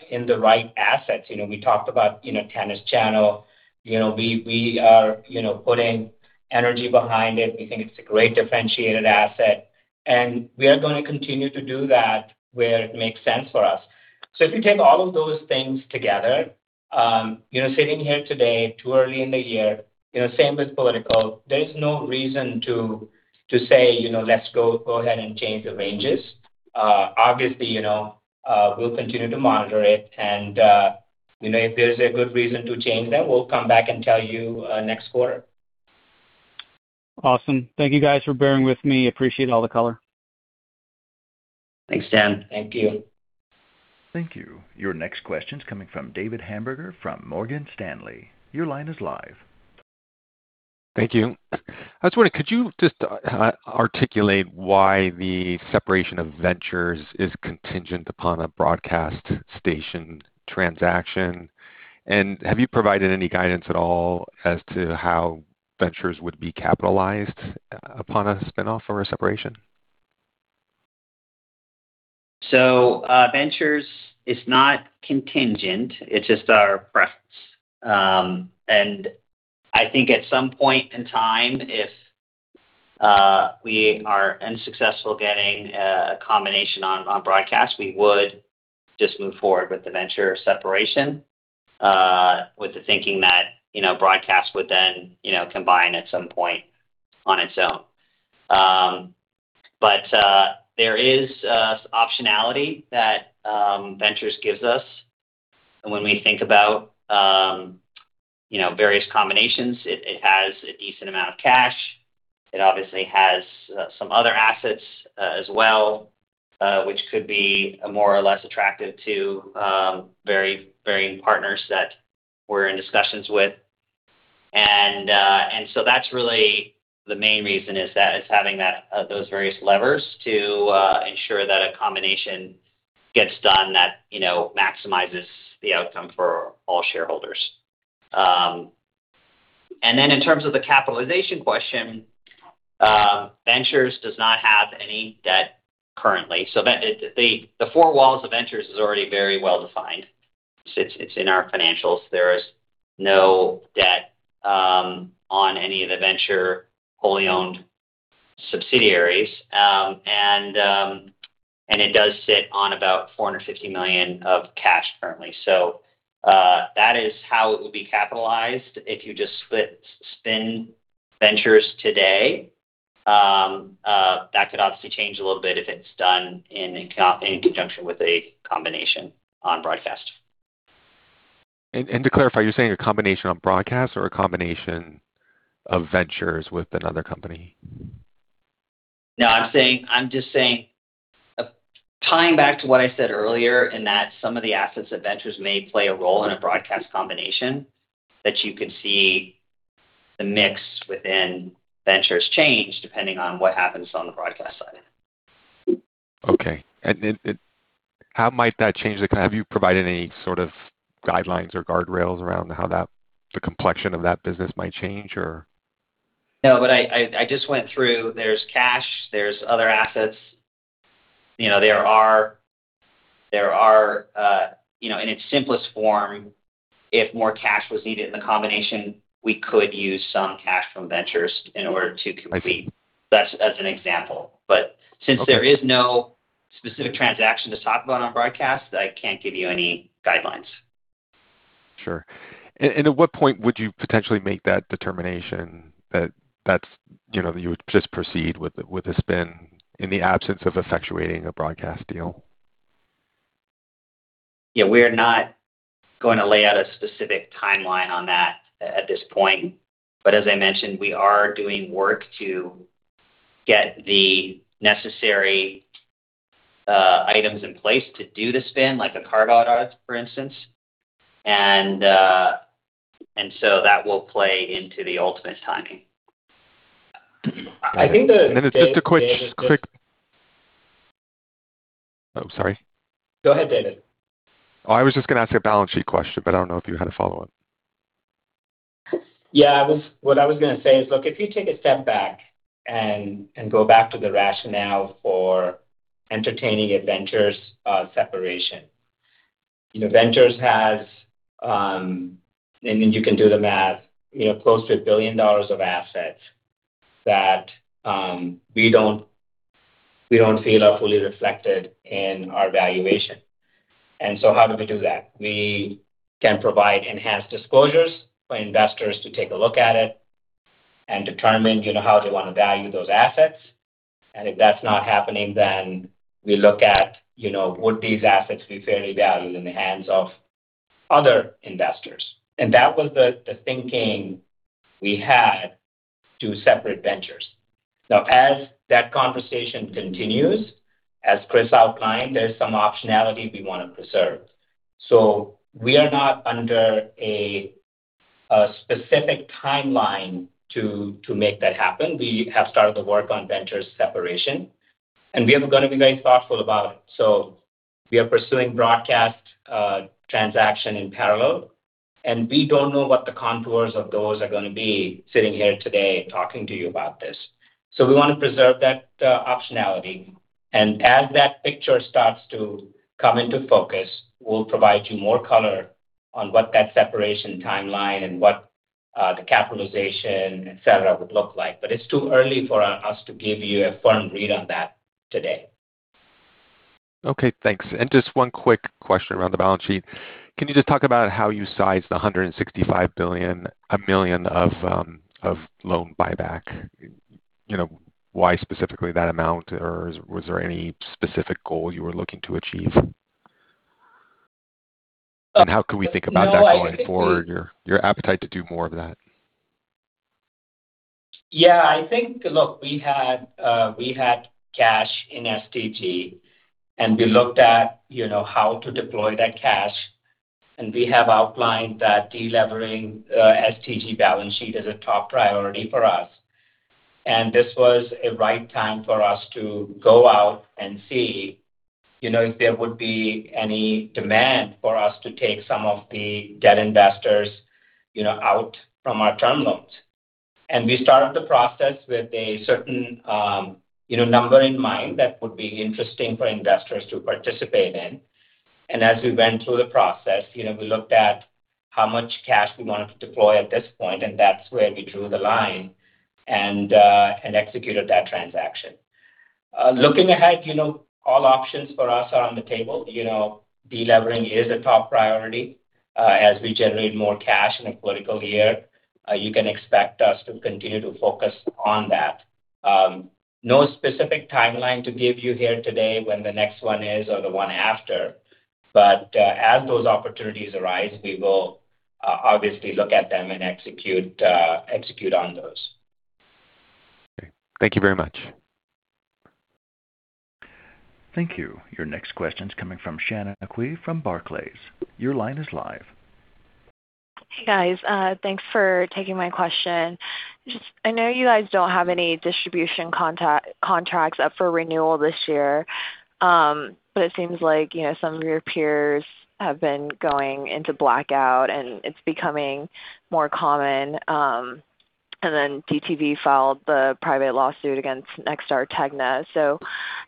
in the right assets. You know, we talked about, you know, Tennis Channel. You know, we are, you know, putting energy behind it. We think it's a great differentiated asset, and we are gonna continue to do that where it makes sense for us. If you take all of those things together, you know, sitting here today too early in the year, you know, same with political. There's no reason to say, you know, let's go ahead and change the ranges. Obviously, you know, we'll continue to monitor it and, you know, if there's a good reason to change that, we'll come back and tell you next quarter. Awesome. Thank you guys for bearing with me. Appreciate all the color. Thanks, Dan. Thank you. Thank you. Your next question is coming from David Hamburger from Morgan Stanley. Your line is live. Thank you. I was wondering, could you just articulate why the separation of Ventures is contingent upon a broadcast station transaction? Have you provided any guidance at all as to how Ventures would be capitalized upon a spin-off or a separation? Ventures is not contingent. It's just our preference. I think at some point in time, if we are unsuccessful getting a combination on Broadcast, we would just move forward with the Ventures separation, with the thinking that, you know, Broadcast would then, you know, combine at some point on its own. There is optionality that Ventures gives us when we think about, you know, various combinations. It has a decent amount of cash. It obviously has some other assets as well, which could be more or less attractive to very varying partners that we're in discussions with. That's really the main reason is that it's having that those various levers to ensure that a combination gets done that, you know, maximizes the outcome for all shareholders. In terms of the capitalization question, Ventures does not have any debt currently. The four walls of Ventures is already very well-defined. It's in our financials. There is no debt on any of the Ventures wholly-owned subsidiaries. It does sit on about $450 million of cash currently. That is how it will be capitalized if you just spin Ventures today. That could obviously change a little bit if it's done in conjunction with a combination on Broadcast. To clarify, you're saying a combination on Broadcast or a combination of Ventures with another company? No, I'm just saying tying back to what I said earlier and that some of the assets that Ventures may play a role in a Broadcast combination that you could see the mix within Ventures change depending on what happens on the Broadcast side. Okay. How might that change the kind, have you provided any sort of guidelines or guardrails around how that, the complexion of that business might change or? No, I just went through there's cash, there's other assets. You know, there are, you know, in its simplest form, if more cash was needed in the combination, we could use some cash from Ventures in order to complete. That's as an example. Since there is no specific transaction to talk about on Broadcast, I can't give you any guidelines. Sure. At what point would you potentially make that determination that that's, you know, you would just proceed with a spin in the absence of effectuating a Broadcast deal? Yeah, we're not going to lay out a specific timeline on that at this point. As I mentioned, we are doing work to get the necessary items in place to do the spin, like a carve-out, for instance. That will play into the ultimate timing. I think the- Just a quick. Oh, sorry. Go ahead, David. Oh, I was just gonna ask a balance sheet question, but I don't know if you had a follow-up. Yeah, what I was going to say is, look, if you take a step back and go back to the rationale for entertaining a Ventures separation. You know, Ventures has, and you can do the math, you know, close to $1 billion of assets that we don't feel are fully reflected in our valuation. How do we do that? We can provide enhanced disclosures for investors to take a look at it and determine, you know, how they want to value those assets. If that's not happening, we look at, you know, would these assets be fairly valued in the hands of other investors? That was the thinking we had to separate Ventures. As that conversation continues, as Chris outlined, there's some optionality we want to preserve. We are not under a specific timeline to make that happen. We have started the work on Ventures separation, and we are gonna be very thoughtful about it. We are pursuing Broadcast transaction in parallel, and we don't know what the contours of those are gonna be sitting here today talking to you about this. We wanna preserve that optionality. As that picture starts to come into focus, we'll provide you more color. On what that separation timeline and what the capitalization, et cetera, would look like. It's too early for us to give you a firm read on that today. Okay, thanks. Just one quick question around the balance sheet. Can you just talk about how you sized the $165 million of loan buyback? You know, why specifically that amount, or was there any specific goal you were looking to achieve? How can we think about that going forward, your appetite to do more of that? Yeah. I think, look, we had cash in STG, we looked at, you know, how to deploy that cash. We have outlined that de-levering STG balance sheet is a top priority for us. This was a right time for us to go out and see, you know, if there would be any demand for us to take some of the debt investors, you know, out from our term loans. We started the process with a certain, you know, number in mind that would be interesting for investors to participate in. As we went through the process, you know, we looked at how much cash we wanted to deploy at this point, and that's where we drew the line and executed that transaction. Looking ahead, you know, all options for us are on the table. You know, de-levering is a top priority. As we generate more cash in a political year, you can expect us to continue to focus on that. No specific timeline to give you here today when the next one is or the one after. As those opportunities arise, we will obviously look at them and execute on those. Okay. Thank you very much. Thank you. Your next question's coming from Shanna Qiu from Barclays. Your line is live. Hey, guys. Thanks for taking my question. Just, I know you guys don't have any distribution contracts up for renewal this year, but it seems like, you know, some of your peers have been going into blackout, and it's becoming more common. DirecTV filed the private lawsuit against Nexstar Tegna.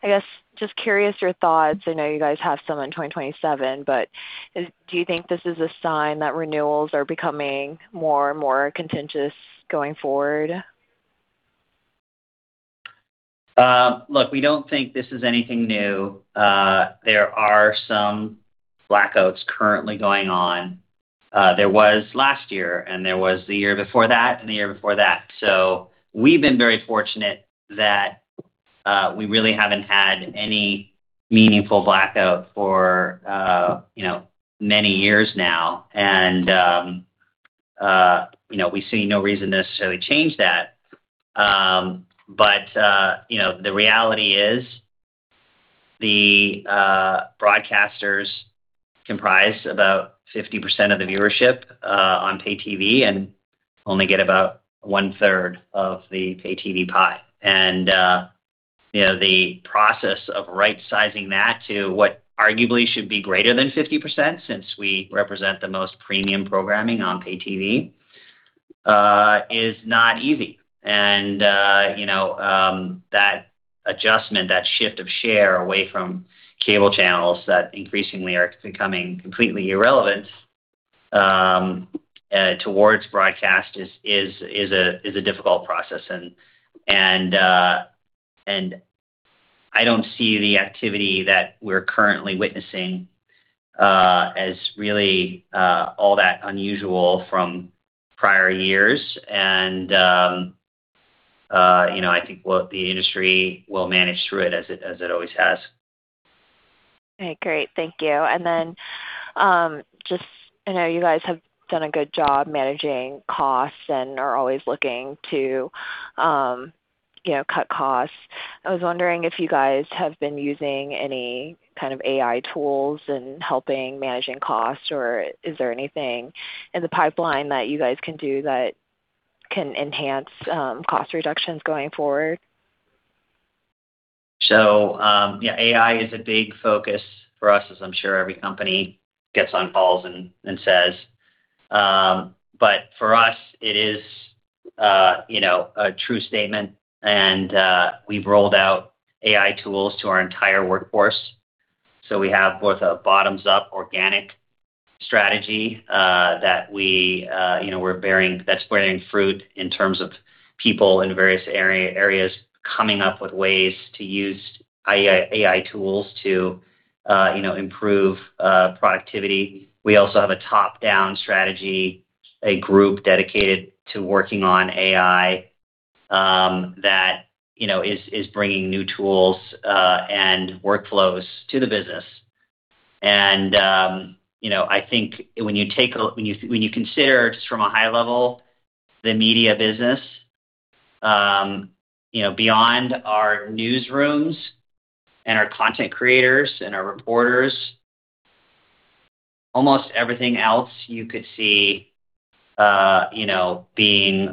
I guess just curious your thoughts. I know you guys have some in 2027, but do you think this is a sign that renewals are becoming more and more contentious going forward? Look, we don't think this is anything new. There are some blackouts currently going on. There was last year, there was the year before that and the year before that. We've been very fortunate that we really haven't had any meaningful blackout for, you know, many years now. You know, we see no reason to necessarily change that. You know, the reality is the broadcasters comprise about 50% of the viewership on pay TV and only get about 1/3 of the pay TV pie. You know, the process of right-sizing that to what arguably should be greater than 50%, since we represent the most premium programming on pay TV, is not easy. You know, that adjustment, that shift of share away from cable channels that increasingly are becoming completely irrelevant, towards broadcast is a difficult process. I don't see the activity that we're currently witnessing, as really all that unusual from prior years. You know, I think the industry will manage through it as it always has. Okay, great. Thank you. Just I know you guys have done a good job managing costs and are always looking to, you know, cut costs. I was wondering if you guys have been using any kind of AI tools in helping managing costs, or is there anything in the pipeline that you guys can do that can enhance cost reductions going forward? Yeah, AI is a big focus for us, as I'm sure every company gets on calls and says. For us, it is, you know, a true statement, and we've rolled out AI tools to our entire workforce. We have both a bottoms-up organic strategy that we, you know, that's bearing fruit in terms of people in various areas coming up with ways to use AI tools to, you know, improve productivity. We also have a top-down strategy, a group dedicated to working on AI that, you know, is bringing new tools and workflows to the business. You know, I think when you consider just from a high level the media business, you know, beyond our newsrooms and our content creators and our reporters, almost everything else you could see, you know, being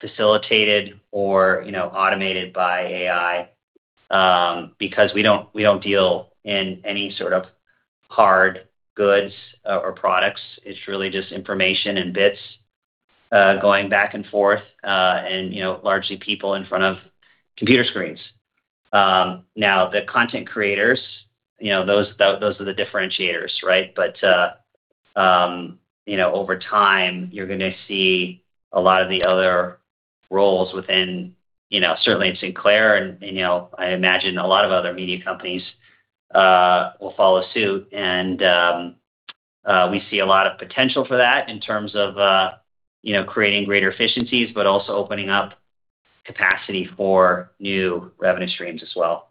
facilitated or, you know, automated by AI, because we don't, we don't deal in any sort of hard goods or products. It's really just information and bits, going back and forth, and, you know, largely people in front of computer screens. Now, the content creators, you know, those are the differentiators, right? You know, over time, you're gonna see a lot of the other roles within, you know, certainly in Sinclair and, you know, I imagine a lot of other media companies will follow suit. We see a lot of potential for that in terms of, you know, creating greater efficiencies, but also opening up capacity for new revenue streams as well.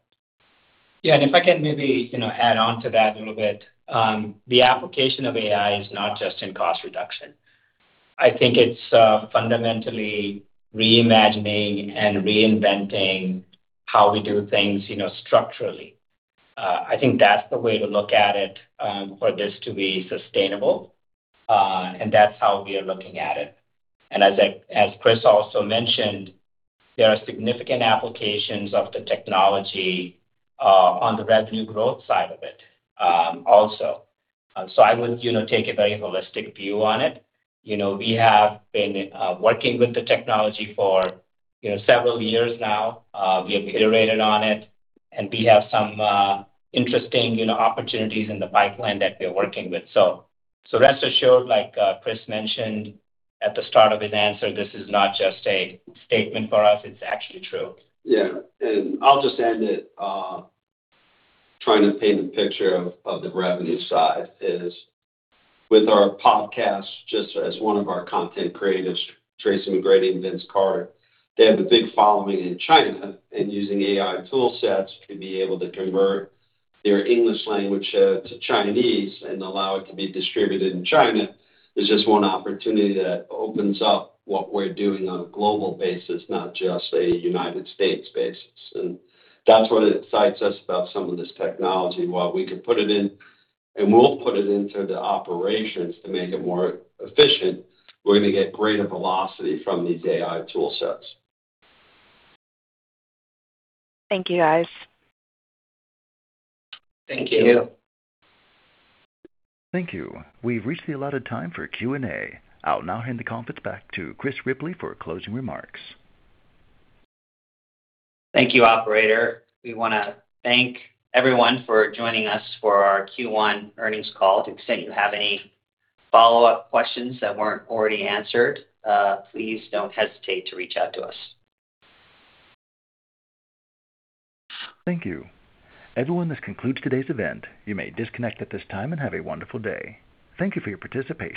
Yeah. If I can maybe, you know, add on to that a little bit. The application of AI is not just in cost reduction. I think it's fundamentally reimagining and reinventing how we do things, you know, structurally. I think that's the way to look at it for this to be sustainable, and that's how we are looking at it. As Chris also mentioned, there are significant applications of the technology on the revenue growth side of it also. I would, you know, take a very holistic view on it. You know, we have been working with the technology for, you know, several years now. We have iterated on it, we have some interesting, you know, opportunities in the pipeline that we're working with. Rest assured, like, Chris mentioned at the start of his answer, this is not just a statement for us, it's actually true. Yeah. I'll just end it, trying to paint a picture of the revenue side is with our podcast, just as one of our content creators, Tracy McGrady and Vince Carter, they have a big following in China. Using AI tool sets to be able to convert their English language to Chinese and allow it to be distributed in China is just one opportunity that opens up what we're doing on a global basis, not just a United States basis. That's what excites us about some of this technology. While we can put it in, and we'll put it into the operations to make it more efficient, we're gonna get greater velocity from these AI tool sets. Thank you, guys. Thank you. Thank you. Thank you. We've reached the allotted time for Q&A. I'll now hand the conference back to Chris Ripley for closing remarks. Thank you, operator. We wanna thank everyone for joining us for our Q1 earnings call. To the extent you have any follow-up questions that weren't already answered, please don't hesitate to reach out to us. Thank you. Everyone, this concludes today's event. You may disconnect at this time, and have a wonderful day. Thank you for your participation.